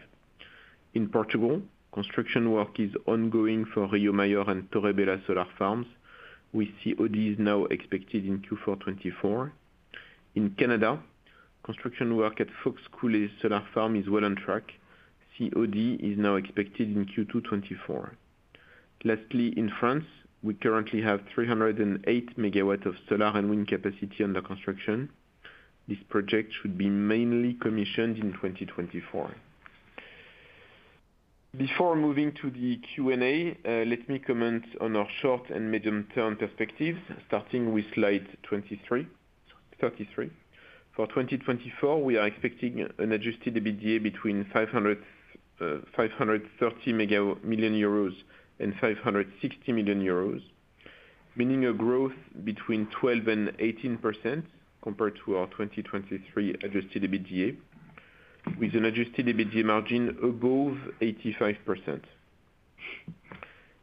In Portugal, construction work is ongoing for Rio Maior and Torre Bela Solar Farms with CODs now expected in Q4 2024. In Canada, construction work at Fox Coulée Solar Farm is well on track. COD is now expected in Q2 2024. Lastly, in France, we currently have 308 MW of solar and wind capacity under construction. This project should be mainly commissioned in 2024. Before moving to the Q&A, let me comment on our short and medium-term perspectives, starting with slide 33. For 2024, we are expecting an adjusted EBITDA between 530 million euros and 560 million euros, meaning a growth between 12% and 18% compared to our 2023 adjusted EBITDA, with an adjusted EBITDA margin above 85%.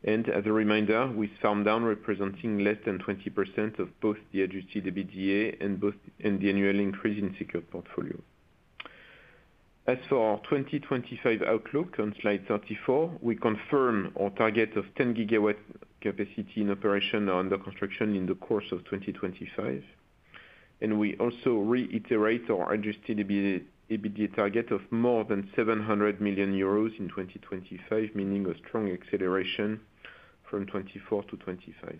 As a reminder, with Farm Down representing less than 20% of both the Adjusted EBITDA and the annual increase in secure portfolio. As for our 2025 outlook on slide 34, we confirm our target of 10 GW capacity in operation under construction in the course of 2025. We also reiterate our Adjusted EBITDA target of more than 700 million euros in 2025, meaning a strong acceleration from 2024 to 2025.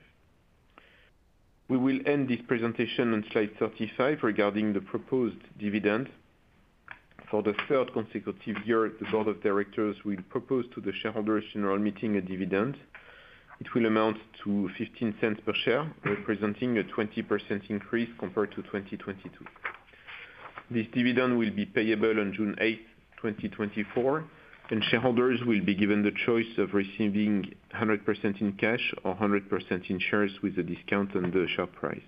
We will end this presentation on slide 35 regarding the proposed dividend. For the third consecutive year, the board of directors will propose to the shareholders' general meeting a dividend. It will amount to 0.15 per share, representing a 20% increase compared to 2022. This dividend will be payable on June 8th, 2024, and shareholders will be given the choice of receiving 100% in cash or 100% in shares with a discount on the share price.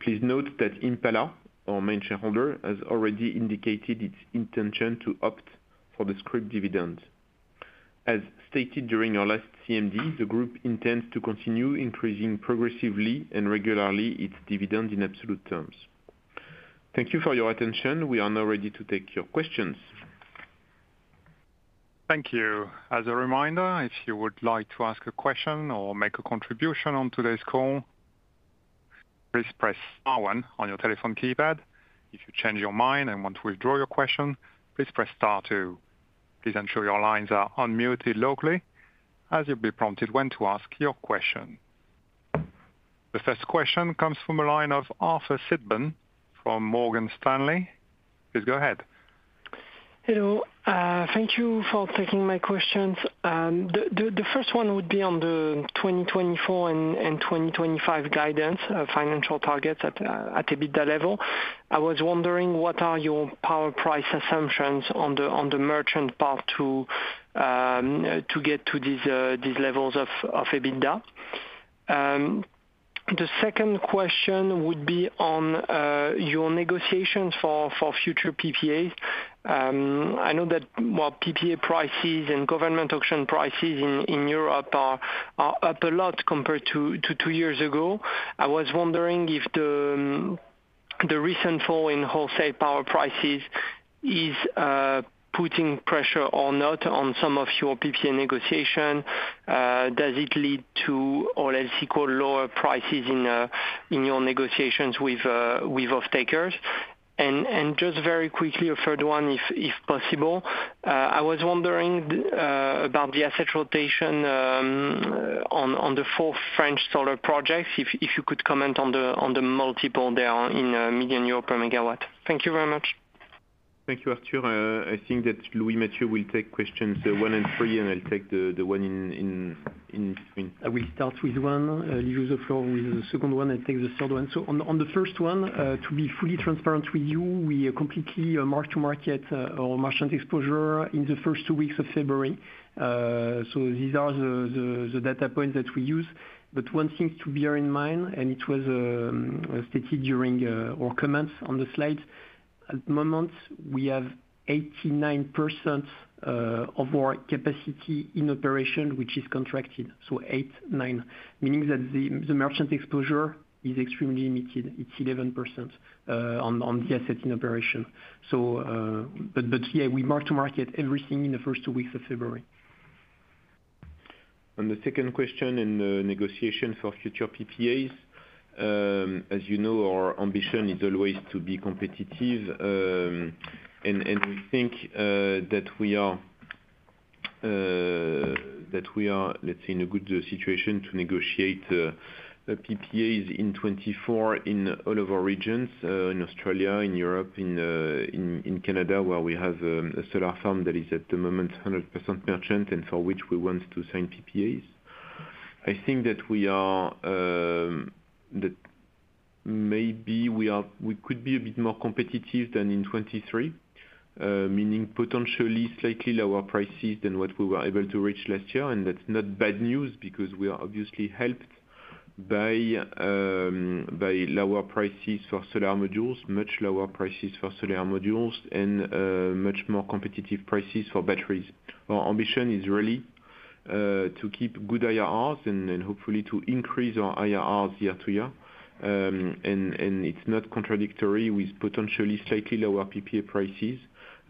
Please note that Impala, our main shareholder, has already indicated its intention to opt for the scrip dividend. As stated during our last CMD, the group intends to continue increasing progressively and regularly its dividend in absolute terms. Thank you for your attention. We are now ready to take your questions. Thank you. As a reminder, if you would like to ask a question or make a contribution on today's call, please press Star 1 on your telephone keypad. If you change your mind and want to withdraw your question, please press Star 2. Please ensure your lines are unmuted locally as you'll be prompted when to ask your question. The first question comes from a line of Arthur Sitbon from Morgan Stanley. Please go ahead. Hello. Thank you for taking my questions. The first one would be on the 2024 and 2025 guidance, financial targets at EBITDA level. I was wondering, what are your power price assumptions on the merchant part to get to these levels of EBITDA? The second question would be on your negotiations for future PPAs. I know that, well, PPA prices and government auction prices in Europe are up a lot compared to two years ago. I was wondering if the recent fall in wholesale power prices is putting pressure or not on some of your PPA negotiation. Does it lead to, or let's say, lower prices in your negotiations with off-takers? And just very quickly, a third one, if possible. I was wondering about the asset rotation on the four French solar projects, if you could comment on the multiple there in million euro per megawatt. Thank you very much. Thank you, Arthur. I think that Louis-Mathieu will take questions one and three, and I'll take the one in between. I will start with one. Leave you the floor with the second one, and take the third one. So on the first one, to be fully transparent with you, we completely marked to market our merchant exposure in the first two weeks of February. So these are the data points that we use. But one thing to bear in mind, and it was stated during our comments on the slide, at the moment, we have 89% of our capacity in operation, which is contracted. So 89%, meaning that the merchant exposure is extremely limited. It's 11% on the asset in operation. But yeah, we marked to market everything in the first two weeks of February. On the second question, in the negotiation for future PPAs, as you know, our ambition is always to be competitive. And we think that we are, let's say, in a good situation to negotiate PPAs in 2024 in all of our regions: in Australia, in Europe, in Canada, where we have a solar farm that is, at the moment, 100% merchant and for which we want to sign PPAs. I think that maybe we could be a bit more competitive than in 2023, meaning potentially slightly lower prices than what we were able to reach last year. And that's not bad news because we are obviously helped by lower prices for solar modules, much lower prices for solar modules, and much more competitive prices for batteries. Our ambition is really to keep good IRRs and hopefully to increase our IRRs year to year. It's not contradictory with potentially slightly lower PPA prices.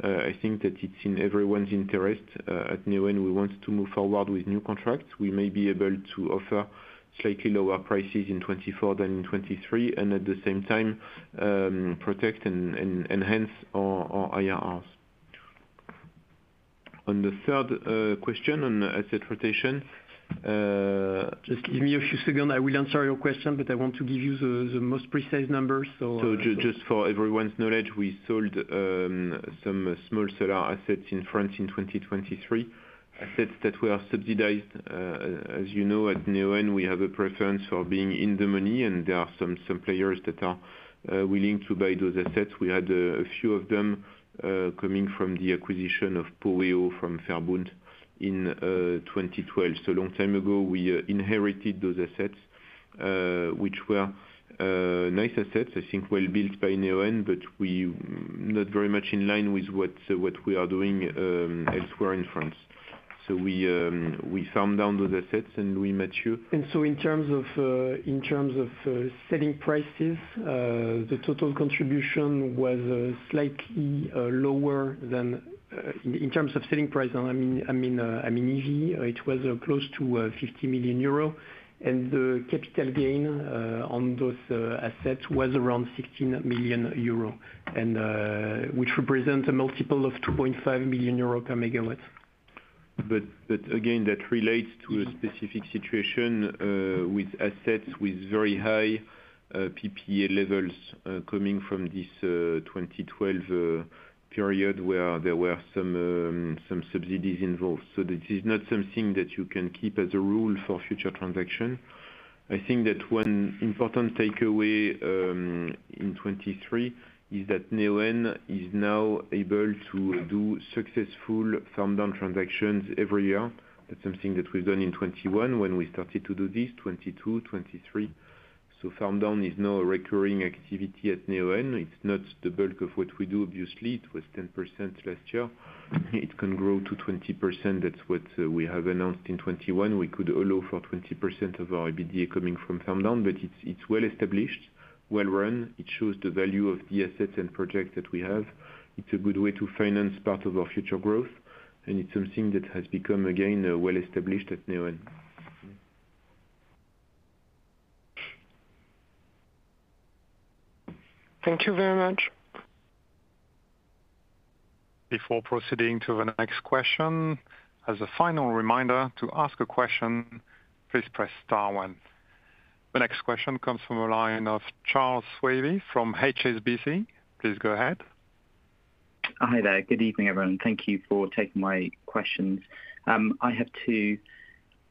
I think that it's in everyone's interest. At Neoen, we want to move forward with new contracts. We may be able to offer slightly lower prices in 2024 than in 2023 and, at the same time, protect and enhance our IRRs. On the third question, on asset rotation. Just give me a few seconds. I will answer your question, but I want to give you the most precise numbers, so. So just for everyone's knowledge, we sold some small solar assets in France in 2023, assets that were subsidized. As you know, at Neoen, we have a preference for being in the money, and there are some players that are willing to buy those assets. We had a few of them coming from the acquisition of Poweo from Verbund in 2012. So a long time ago, we inherited those assets, which were nice assets, I think, well built by Neoen, but not very much in line with what we are doing elsewhere in France. So we farm down those assets, and Louis-Mathieu. So in terms of selling prices, the total contribution was slightly lower than in terms of selling price. I mean, EV, it was close to 50 million euro. The capital gain on those assets was around 16 million euro, which represents a multiple of 2.5 million euro per megawatt. But again, that relates to a specific situation with assets with very high PPA levels coming from this 2012 period where there were some subsidies involved. So this is not something that you can keep as a rule for future transactions. I think that one important takeaway in 2023 is that Neoen is now able to do successful Farm Down transactions every year. That's something that we've done in 2021 when we started to do this, 2022, 2023. So Farm Down is now a recurring activity at Neoen. It's not the bulk of what we do, obviously. It was 10% last year. It can grow to 20%. That's what we have announced in 2021. We could allow for 20% of our EBITDA coming from Farm Down, but it's well established, well run. It shows the value of the assets and projects that we have. It's a good way to finance part of our future growth, and it's something that has become, again, well established at Neoen. Thank you very much. Before proceeding to the next question, as a final reminder, to ask a question, please press Star one. The next question comes from a line of Charles Mayne from HSBC. Please go ahead. Hi there. Good evening, everyone. Thank you for taking my questions. I have two.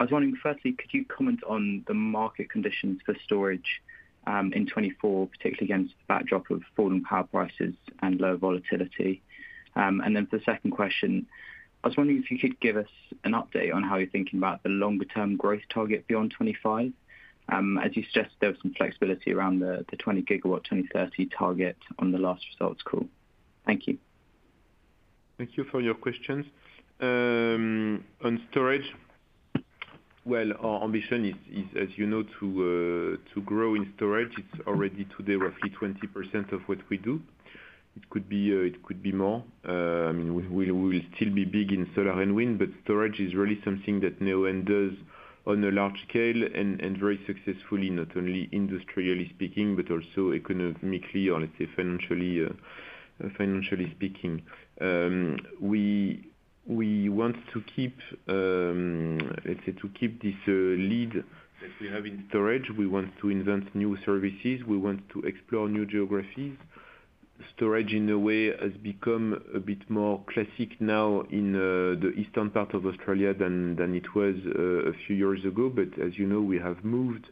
I was wondering, firstly, could you comment on the market conditions for storage in 2024, particularly against the backdrop of falling power prices and low volatility? And then for the second question, I was wondering if you could give us an update on how you're thinking about the longer-term growth target beyond 2025. As you suggested, there was some flexibility around the 20 GW, 2030 target on the last results call. Thank you. Thank you for your questions. On storage, well, our ambition is, as you know, to grow in storage. It's already today roughly 20% of what we do. It could be more. I mean, we'll still be big in solar and wind, but storage is really something that Neoen does on a large scale and very successfully, not only industrially speaking, but also economically or, let's say, financially speaking. We want to keep, let's say, to keep this lead that we have in storage. We want to invent new services. We want to explore new geographies. Storage, in a way, has become a bit more classic now in the eastern part of Australia than it was a few years ago. But as you know, we have moved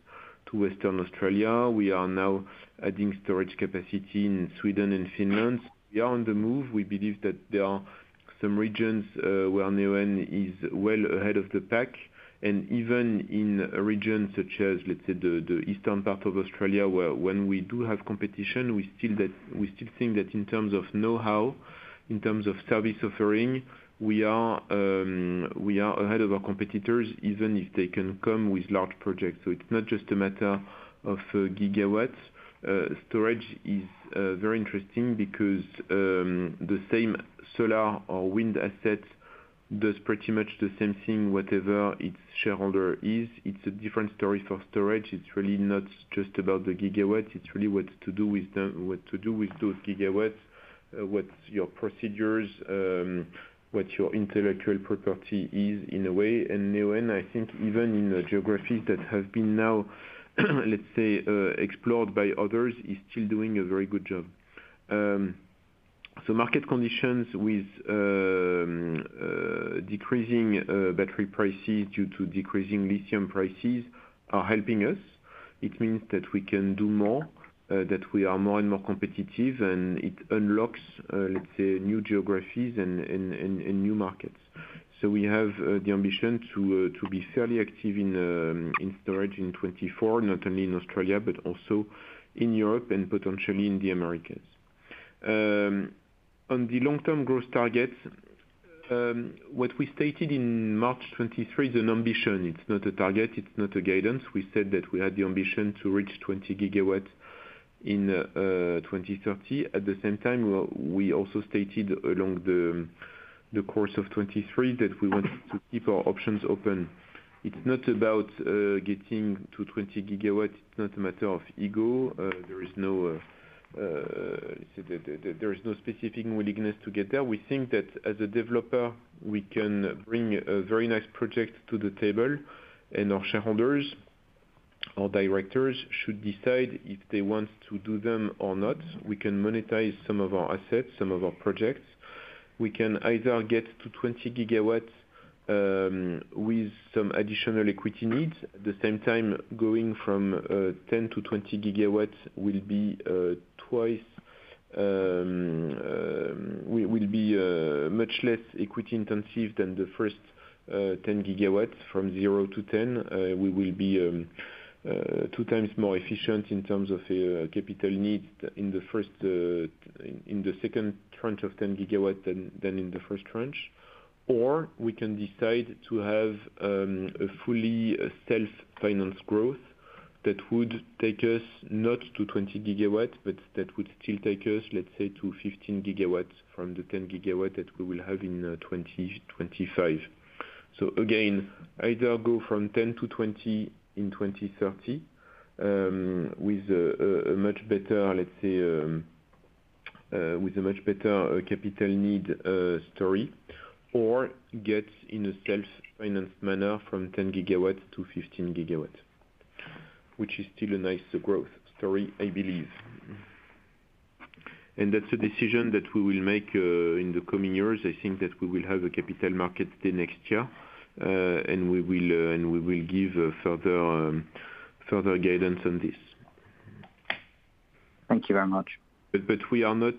to Western Australia. We are now adding storage capacity in Sweden and Finland. We are on the move. We believe that there are some regions where Neoen is well ahead of the pack. And even in regions such as, let's say, the eastern part of Australia, where when we do have competition, we still think that in terms of know-how, in terms of service offering, we are ahead of our competitors, even if they can come with large projects. So it's not just a matter of gigawatts. Storage is very interesting because the same solar or wind asset does pretty much the same thing, whatever its shareholder is. It's a different story for storage. It's really not just about the gigawatts. It's really what to do with them, what to do with those gigawatts, what your procedures, what your intellectual property is, in a way. And Neoen, I think, even in geographies that have been now, let's say, explored by others, is still doing a very good job. So market conditions with decreasing battery prices due to decreasing lithium prices are helping us. It means that we can do more, that we are more and more competitive, and it unlocks, let's say, new geographies and new markets. So we have the ambition to be fairly active in storage in 2024, not only in Australia but also in Europe and potentially in the Americas. On the long-term growth targets, what we stated in March 2023 is an ambition. It's not a target. It's not a guidance. We said that we had the ambition to reach 20 GW in 2030. At the same time, we also stated along the course of 2023 that we want to keep our options open. It's not about getting to 20 GW. It's not a matter of ego. There is no let's say, there is no specific willingness to get there. We think that as a developer, we can bring a very nice project to the table, and our shareholders, our directors should decide if they want to do them or not. We can monetize some of our assets, some of our projects. We can either get to 20 GW with some additional equity needs. At the same time, going from 10 GW to 20 GW will be twice will be much less equity-intensive than the first 10 GW. From 0 to 10 GW, we will be two times more efficient in terms of capital needs in the second tranche of 10 GW than in the first tranche. Or we can decide to have a fully self-financed growth that would take us not to 20 GW, but that would still take us, let's say, to 15 GW from the 10 GW that we will have in 2025. So again, either go from 10 to 20 in 2030 with a much better, let's say, with a much better capital need story, or get in a self-financed manner from 10 GW to 15 GW, which is still a nice growth story, I believe. That's a decision that we will make in the coming years. I think that we will have a capital markets day next year, and we will give further guidance on this. Thank you very much. But we are not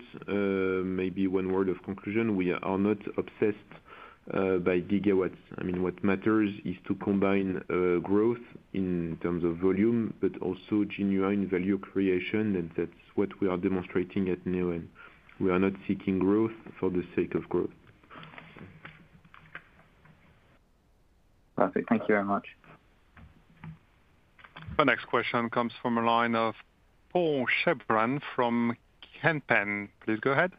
maybe one word of conclusion. We are not obsessed by gigawatts. I mean, what matters is to combine growth in terms of volume but also genuine value creation, and that's what we are demonstrating at Neoen. We are not seeking growth for the sake of growth. Perfect. Thank you very much. The next question comes from a line of Paul Chebran from Kempen. Please go ahead.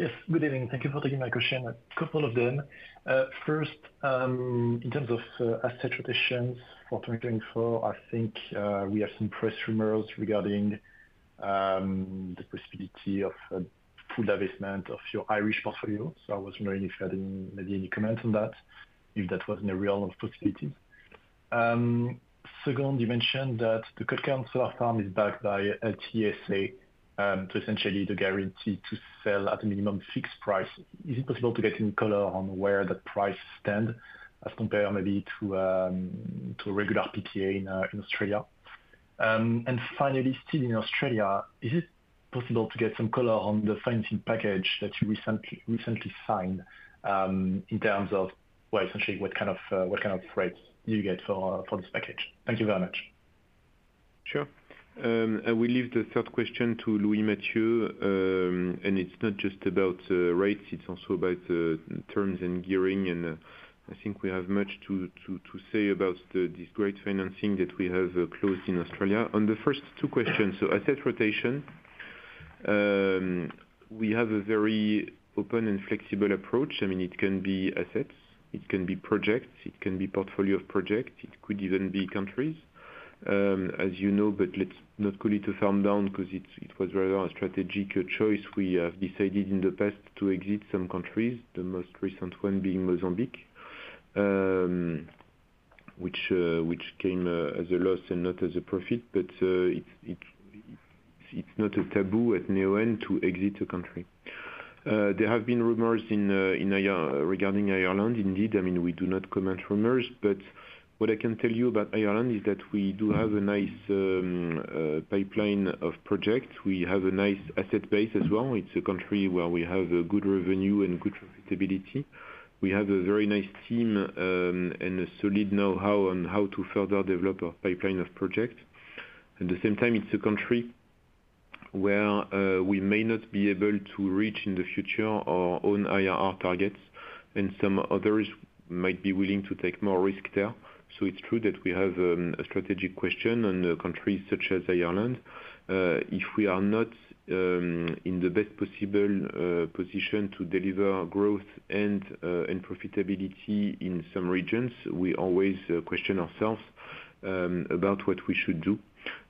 Yes. Good evening. Thank you for taking my question. A couple of them. First, in terms of asset rotations for 2024, I think we have some press rumors regarding the possibility of full divestment of your Irish portfolio. So I was wondering if you had maybe any comments on that, if that was in a realm of possibilities. Second, you mentioned that the Culcairn Solar Farm is backed by LTESA, so essentially the guarantee to sell at a minimum fixed price. Is it possible to get any color on where that price stands as compared maybe to a regular PPA in Australia? And finally, still in Australia, is it possible to get some color on the financing package that you recently signed in terms of, well, essentially, what kind of rates do you get for this package? Thank you very much. Sure. And we leave the third question to Louis-Mathieu. And it's not just about rates. It's also about terms and gearing. And I think we have much to say about this great financing that we have closed in Australia. On the first two questions, so asset rotation, we have a very open and flexible approach. I mean, it can be assets. It can be projects. It can be portfolio of projects. It could even be countries, as you know, but let's not call it a Farm Down because it was rather a strategic choice. We have decided in the past to exit some countries, the most recent one being Mozambique, which came as a loss and not as a profit. But it's not a taboo at Neoen to exit a country. There have been rumors regarding Ireland, indeed. I mean, we do not comment rumors. But what I can tell you about Ireland is that we do have a nice pipeline of projects. We have a nice asset base as well. It's a country where we have good revenue and good profitability. We have a very nice team and a solid know-how on how to further develop our pipeline of projects. At the same time, it's a country where we may not be able to reach in the future our own IRR targets, and some others might be willing to take more risk there. So it's true that we have a strategic question on countries such as Ireland. If we are not in the best possible position to deliver growth and profitability in some regions, we always question ourselves about what we should do.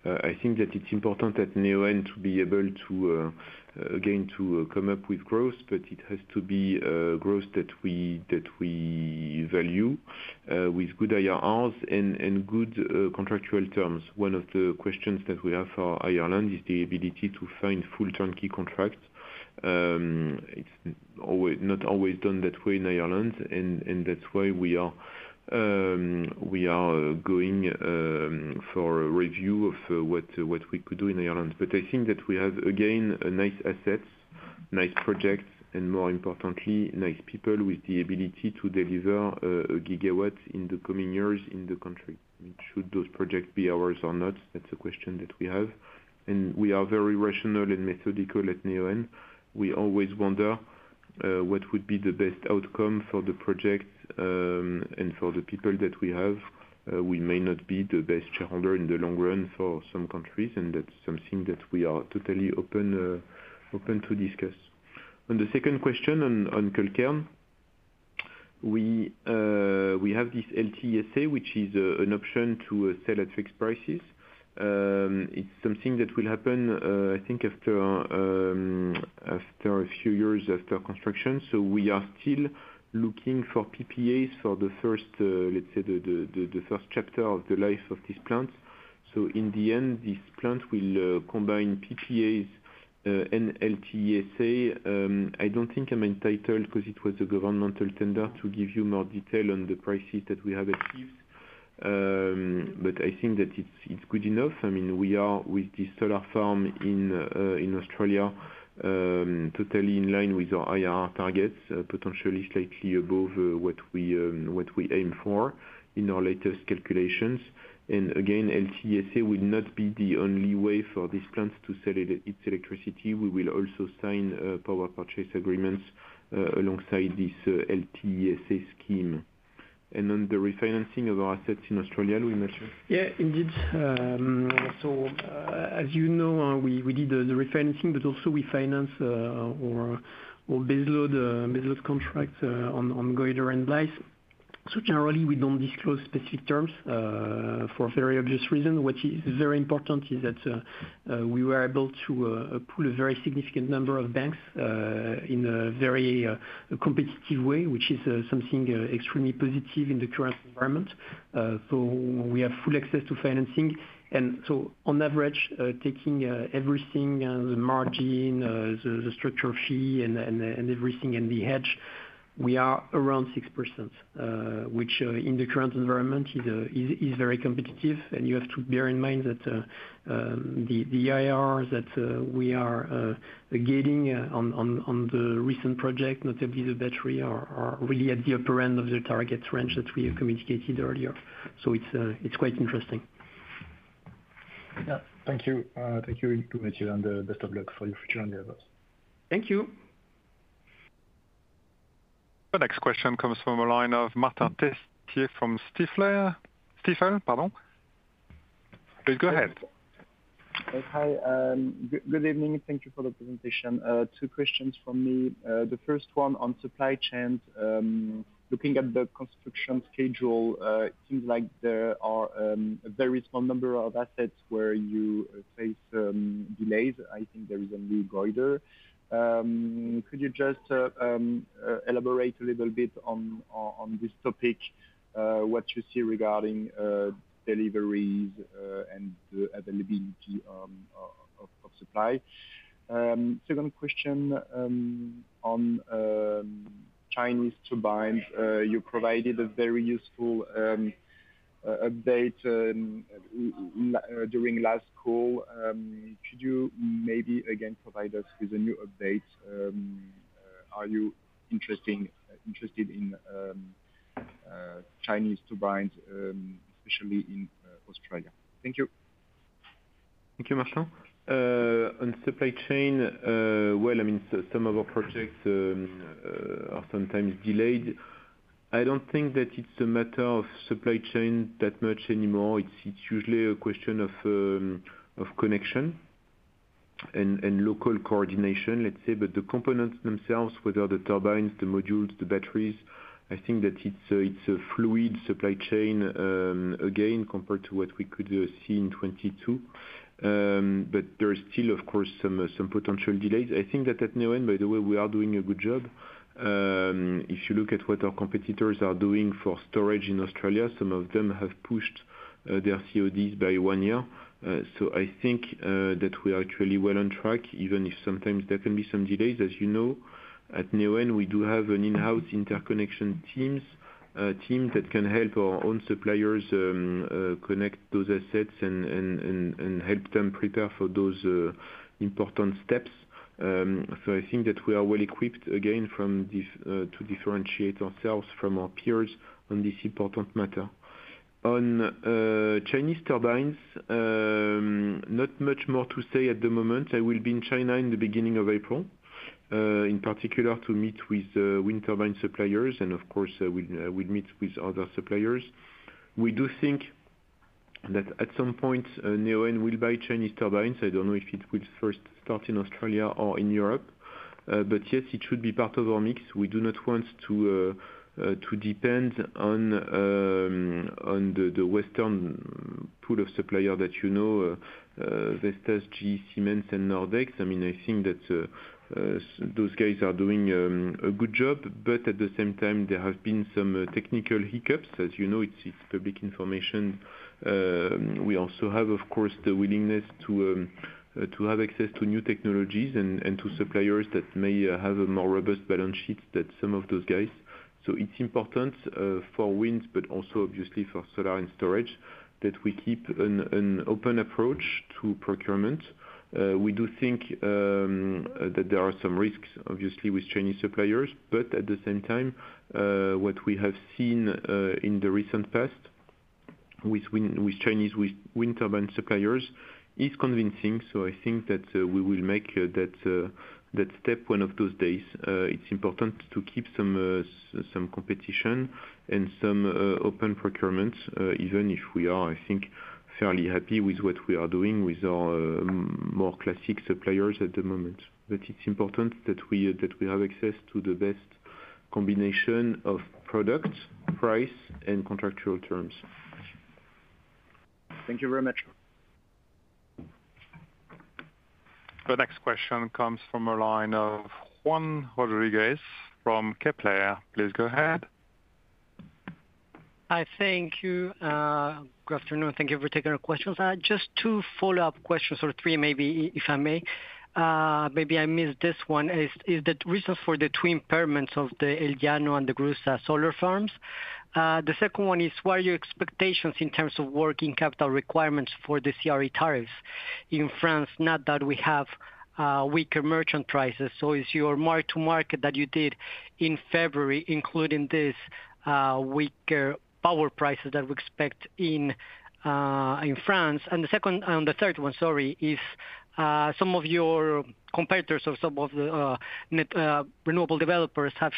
I think that it's important at Neoen to be able to, again, to come up with growth, but it has to be growth that we value with good IRRs and good contractual terms. One of the questions that we have for Ireland is the ability to find full turnkey contracts. It's not always done that way in Ireland, and that's why we are going for a review of what we could do in Ireland. But I think that we have, again, nice assets, nice projects, and more importantly, nice people with the ability to deliver 1 GW in the coming years in the country. I mean, should those projects be ours or not? That's a question that we have. And we are very rational and methodical at Neoen. We always wonder what would be the best outcome for the projects and for the people that we have. We may not be the best shareholder in the long run for some countries, and that's something that we are totally open to discuss. On the second question on Culcairn, we have this LTESA, which is an option to sell at fixed prices. It's something that will happen, I think, after a few years after construction. So we are still looking for PPAs for the first, let's say, the first chapter of the life of these plants. So in the end, these plants will combine PPAs and LTESA. I don't think I'm entitled because it was a governmental tender to give you more detail on the prices that we have achieved. But I think that it's good enough. I mean, we are with this solar farm in Australia totally in line with our IRR targets, potentially slightly above what we aim for in our latest calculations. And again, LTESA will not be the only way for these plants to sell its electricity. We will also sign power purchase agreements alongside this LTESA scheme. And on the refinancing of our assets in Australia, Louis-Mathieu? Yeah, indeed. So as you know, we did the refinancing, but also we finance our baseload contracts on Goyder and Blyth. So generally, we don't disclose specific terms for very obvious reasons. What is very important is that we were able to pull a very significant number of banks in a very competitive way, which is something extremely positive in the current environment. So we have full access to financing. And so on average, taking everything, the margin, the structure fee, and everything, and the hedge, we are around 6%, which in the current environment is very competitive. And you have to bear in mind that the IRRs that we are getting on the recent project, notably the battery, are really at the upper end of the target range that we have communicated earlier. So it's quite interesting. Yeah. Thank you. Thank you, Louis-Mathieu, and the best of luck for your future and the others. Thank you. The next question comes from a line of Martin Tessier from Stifel. Pardon. Please go ahead. Hi. Good evening. Thank you for the presentation. Two questions from me. The first one on supply chain. Looking at the construction schedule, it seems like there are a very small number of assets where you face delays. I think there is only Goyder. Could you just elaborate a little bit on this topic, what you see regarding deliveries and the availability of supply? Second question on Chinese turbines. You provided a very useful update during last call. Could you maybe, again, provide us with a new update? Are you interested in Chinese turbines, especially in Australia? Thank you. Thank you, Martin. On supply chain, well, I mean, some of our projects are sometimes delayed. I don't think that it's a matter of supply chain that much anymore. It's usually a question of connection and local coordination, let's say. But the components themselves, whether the turbines, the modules, the batteries, I think that it's a fluid supply chain, again, compared to what we could see in 2022. But there are still, of course, some potential delays. I think that at Neoen, by the way, we are doing a good job. If you look at what our competitors are doing for storage in Australia, some of them have pushed their CODs by one year. So I think that we are actually well on track, even if sometimes there can be some delays. As you know, at Neoen, we do have an in-house interconnection team that can help our own suppliers connect those assets and help them prepare for those important steps. So I think that we are well equipped, again, to differentiate ourselves from our peers on this important matter. On Chinese turbines, not much more to say at the moment. I will be in China in the beginning of April, in particular, to meet with wind turbine suppliers, and of course, I will meet with other suppliers. We do think that at some point, Neoen will buy Chinese turbines. I don't know if it will first start in Australia or in Europe. But yes, it should be part of our mix. We do not want to depend on the Western pool of suppliers that you know, Vestas, GE, Siemens, and Nordex. I mean, I think that those guys are doing a good job. But at the same time, there have been some technical hiccups. As you know, it's public information. We also have, of course, the willingness to have access to new technologies and to suppliers that may have more robust balance sheets than some of those guys. So it's important for wind, but also, obviously, for solar and storage, that we keep an open approach to procurement. We do think that there are some risks, obviously, with Chinese suppliers. But at the same time, what we have seen in the recent past with Chinese wind turbine suppliers is convincing. So I think that we will make that step one of those days. It's important to keep some competition and some open procurement, even if we are, I think, fairly happy with what we are doing with our more classic suppliers at the moment. But it's important that we have access to the best combination of product, price, and contractual terms. Thank you very much. The next question comes from a line of Juan Rodríguez from Kepler. Please go ahead. Hi. Thank you. Good afternoon. Thank you for taking our questions. Just two follow-up questions, or three maybe, if I may. Maybe I missed this one. Is the reason for the two impairments of the El Llano and the DeGrussa Solar Farms? The second one is, what are your expectations in terms of working capital requirements for the CRE tariffs in France, now that we have weaker merchant prices? So is your mark-to-market that you did in February, including this weaker power prices that we expect in France? And the third one, sorry, is some of your competitors or some of the renewable developers have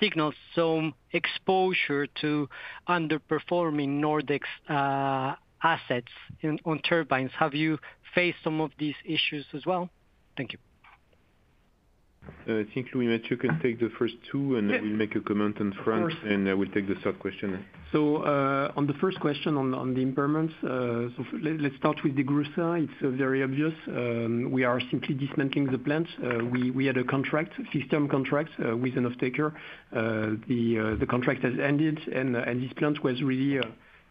signaled some exposure to underperforming Nordex assets on turbines. Have you faced some of these issues as well? Thank you. I think Louis-Mathieu can take the first two, and I will make a comment on France, and I will take the third question. So on the first question, on the impairments, so let's start with the DeGrussa. It's very obvious. We are simply dismantling the plant. We had a contract, fixed-term contract, with an offtaker. The contract has ended, and this plant was really,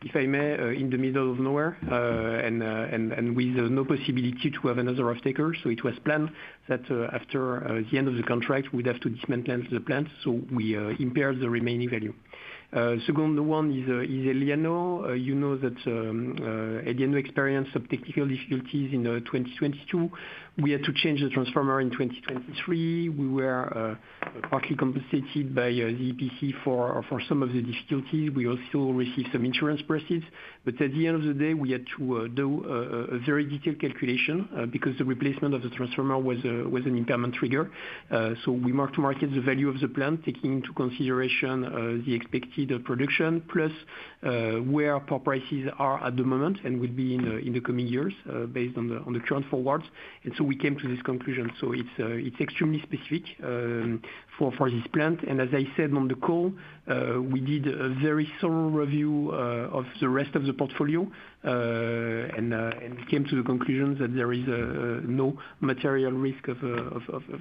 if I may, in the middle of nowhere and with no possibility to have another offtaker. So it was planned that after the end of the contract, we'd have to dismantle the plant. So we impaired the remaining value. The second one is El Llano. You know that El Llano experienced some technical difficulties in 2022. We had to change the transformer in 2023. We were partly compensated by the EPC for some of the difficulties. We also received some insurance proceeds. But at the end of the day, we had to do a very detailed calculation because the replacement of the transformer was an impairment trigger. So we marked to market the value of the plant, taking into consideration the expected production plus where power prices are at the moment and will be in the coming years based on the current forwards. And so we came to this conclusion. So it's extremely specific for this plant. And as I said on the call, we did a very thorough review of the rest of the portfolio and came to the conclusion that there is no material risk of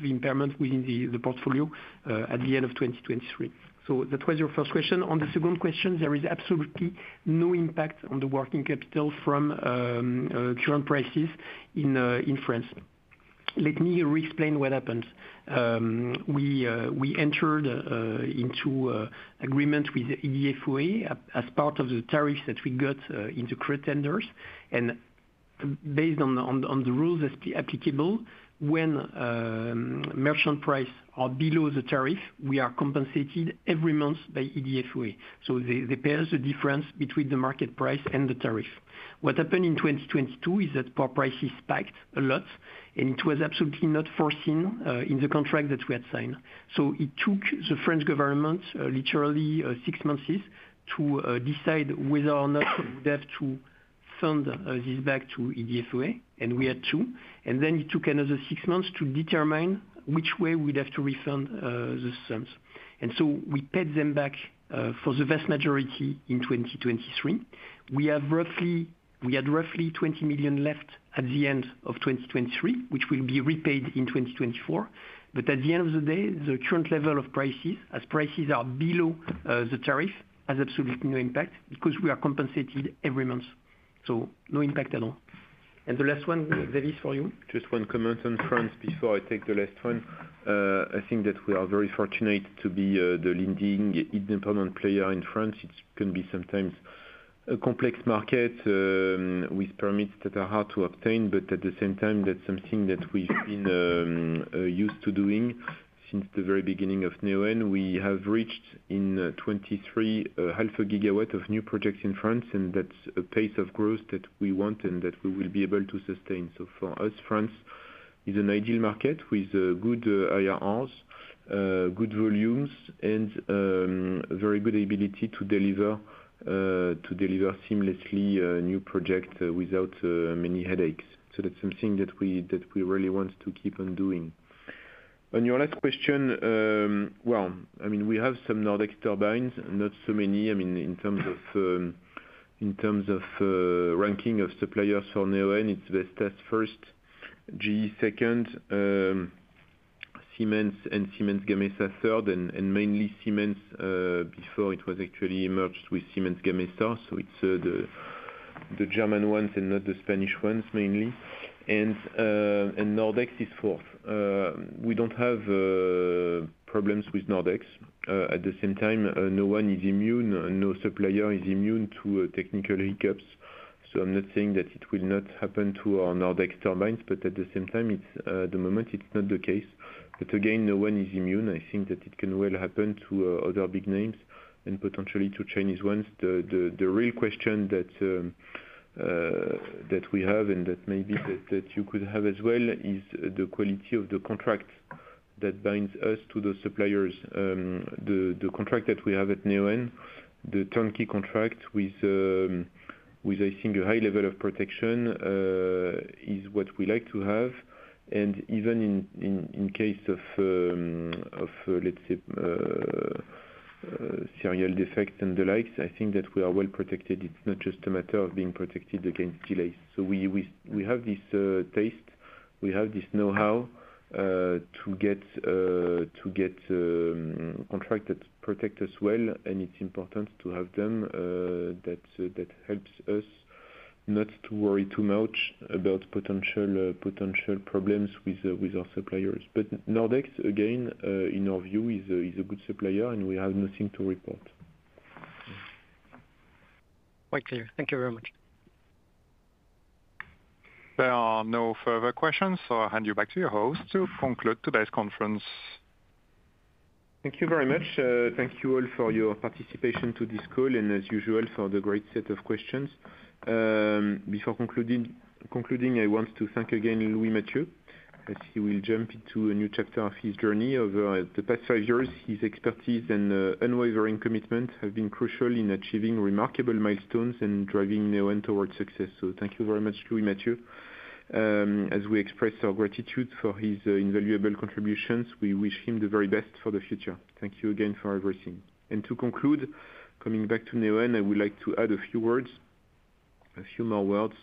impairment within the portfolio at the end of 2023. So that was your first question. On the second question, there is absolutely no impact on the working capital from current prices in France. Let me re-explain what happened. We entered into agreement with EDF OA as part of the tariffs that we got into current tenders. Based on the rules applicable, when merchant price is below the tariff, we are compensated every month by EDF OA. So they pay us the difference between the market price and the tariff. What happened in 2022 is that power prices spiked a lot, and it was absolutely not foreseen in the contract that we had signed. So it took the French government literally six months to decide whether or not we would have to refund this back to EDF OA, and we had to. And then it took another six months to determine which way we'd have to refund the sums. And so we paid them back for the vast majority in 2023. We had roughly 20 million left at the end of 2023, which will be repaid in 2024. But at the end of the day, the current level of prices, as prices are below the tariff, has absolutely no impact because we are compensated every month. So no impact at all. And the last one, Xavier, is for you. Just one comment on France before I take the last one. I think that we are very fortunate to be the leading independent player in France. It can be sometimes a complex market with permits that are hard to obtain, but at the same time, that's something that we've been used to doing since the very beginning of Neoen. We have reached in 2023 0.5 GW of new projects in France, and that's a pace of growth that we want and that we will be able to sustain. So for us, France is an ideal market with good IRRs, good volumes, and very good ability to deliver seamlessly new projects without many headaches. So that's something that we really want to keep on doing. On your last question, well, I mean, we have some Nordex turbines, not so many. I mean, in terms of ranking of suppliers for Neoen, it's Vestas first, GE second, Siemens, and Siemens Gamesa, third, and mainly Siemens before it was actually merged with Siemens Gamesa. So it's the German ones and not the Spanish ones, mainly. And Nordex is fourth. We don't have problems with Nordex. At the same time, no one is immune. No supplier is immune to technical hiccups. So I'm not saying that it will not happen to our Nordex turbines, but at the same time, at the moment, it's not the case. But again, no one is immune. I think that it can well happen to other big names and potentially to Chinese ones. The real question that we have and that maybe that you could have as well is the quality of the contract that binds us to those suppliers. The contract that we have at Neoen, the turnkey contract with, I think, a high level of protection is what we like to have. And even in case of, let's say, serial defects and the likes, I think that we are well protected. It's not just a matter of being protected against delays. So we have this taste. We have this know-how to get contracts that protect us well, and it's important to have them. That helps us not to worry too much about potential problems with our suppliers. But Nordex, again, in our view, is a good supplier, and we have nothing to report. Quite clear. Thank you very much. There are no further questions, so I'll hand you back to your host to conclude today's conference. Thank you very much. Thank you all for your participation to this call and, as usual, for the great set of questions. Before concluding, I want to thank again Louis-Mathieu. As he will jump into a new chapter of his journey, over the past five years, his expertise and unwavering commitment have been crucial in achieving remarkable milestones and driving Neoen towards success. So thank you very much, Louis-Mathieu. As we express our gratitude for his invaluable contributions, we wish him the very best for the future. Thank you again for everything. And to conclude, coming back to Neoen, I would like to add a few words, a few more words.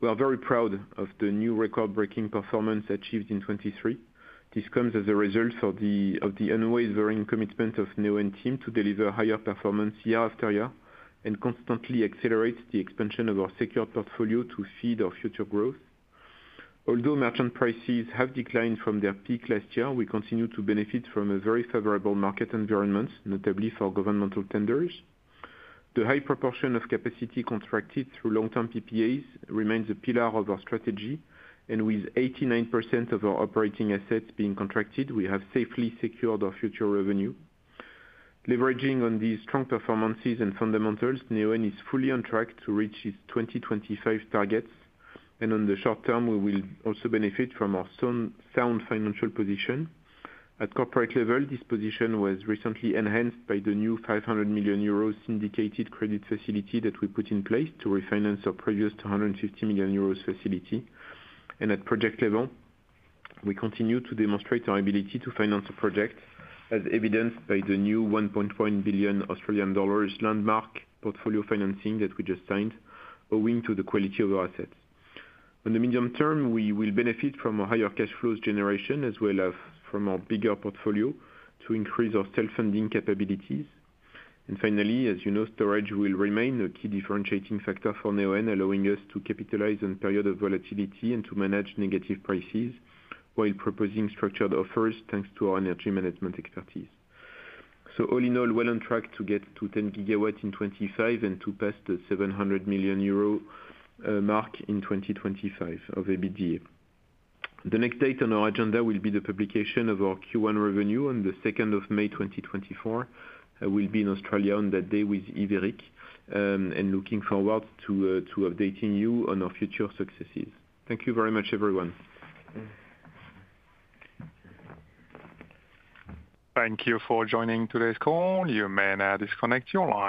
We are very proud of the new record-breaking performance achieved in 2023. This comes as a result of the unwavering commitment of the Neoen team to deliver higher performance year after year and constantly accelerate the expansion of our secured portfolio to feed our future growth. Although merchant prices have declined from their peak last year, we continue to benefit from a very favorable market environment, notably for governmental tenders. The high proportion of capacity contracted through long-term PPAs remains a pillar of our strategy. With 89% of our operating assets being contracted, we have safely secured our future revenue. Leveraging on these strong performances and fundamentals, Neoen is fully on track to reach its 2025 targets. On the short term, we will also benefit from our sound financial position. At corporate level, this position was recently enhanced by the new 500 million euros syndicated credit facility that we put in place to refinance our previous 250 million euros facility. At project level, we continue to demonstrate our ability to finance a project as evidenced by the new EUR 1.1 billion landmark portfolio financing that we just signed, owing to the quality of our assets. On the medium term, we will benefit from a higher cash flows generation as well as from our bigger portfolio to increase our self-funding capabilities. And finally, as you know, storage will remain a key differentiating factor for Neoen, allowing us to capitalize on periods of volatility and to manage negative prices while proposing structured offers thanks to our energy management expertise. So all in all, well on track to get to 10 GW in 2025 and to pass the 700 million euro mark in 2025 of EBITDA. The next date on our agenda will be the publication of our Q1 revenue on the 2nd of May, 2024. I will be in Australia on that day with Yves-Eric and looking forward to updating you on our future successes. Thank you very much, everyone. Thank you for joining today's call. You may now disconnect your line.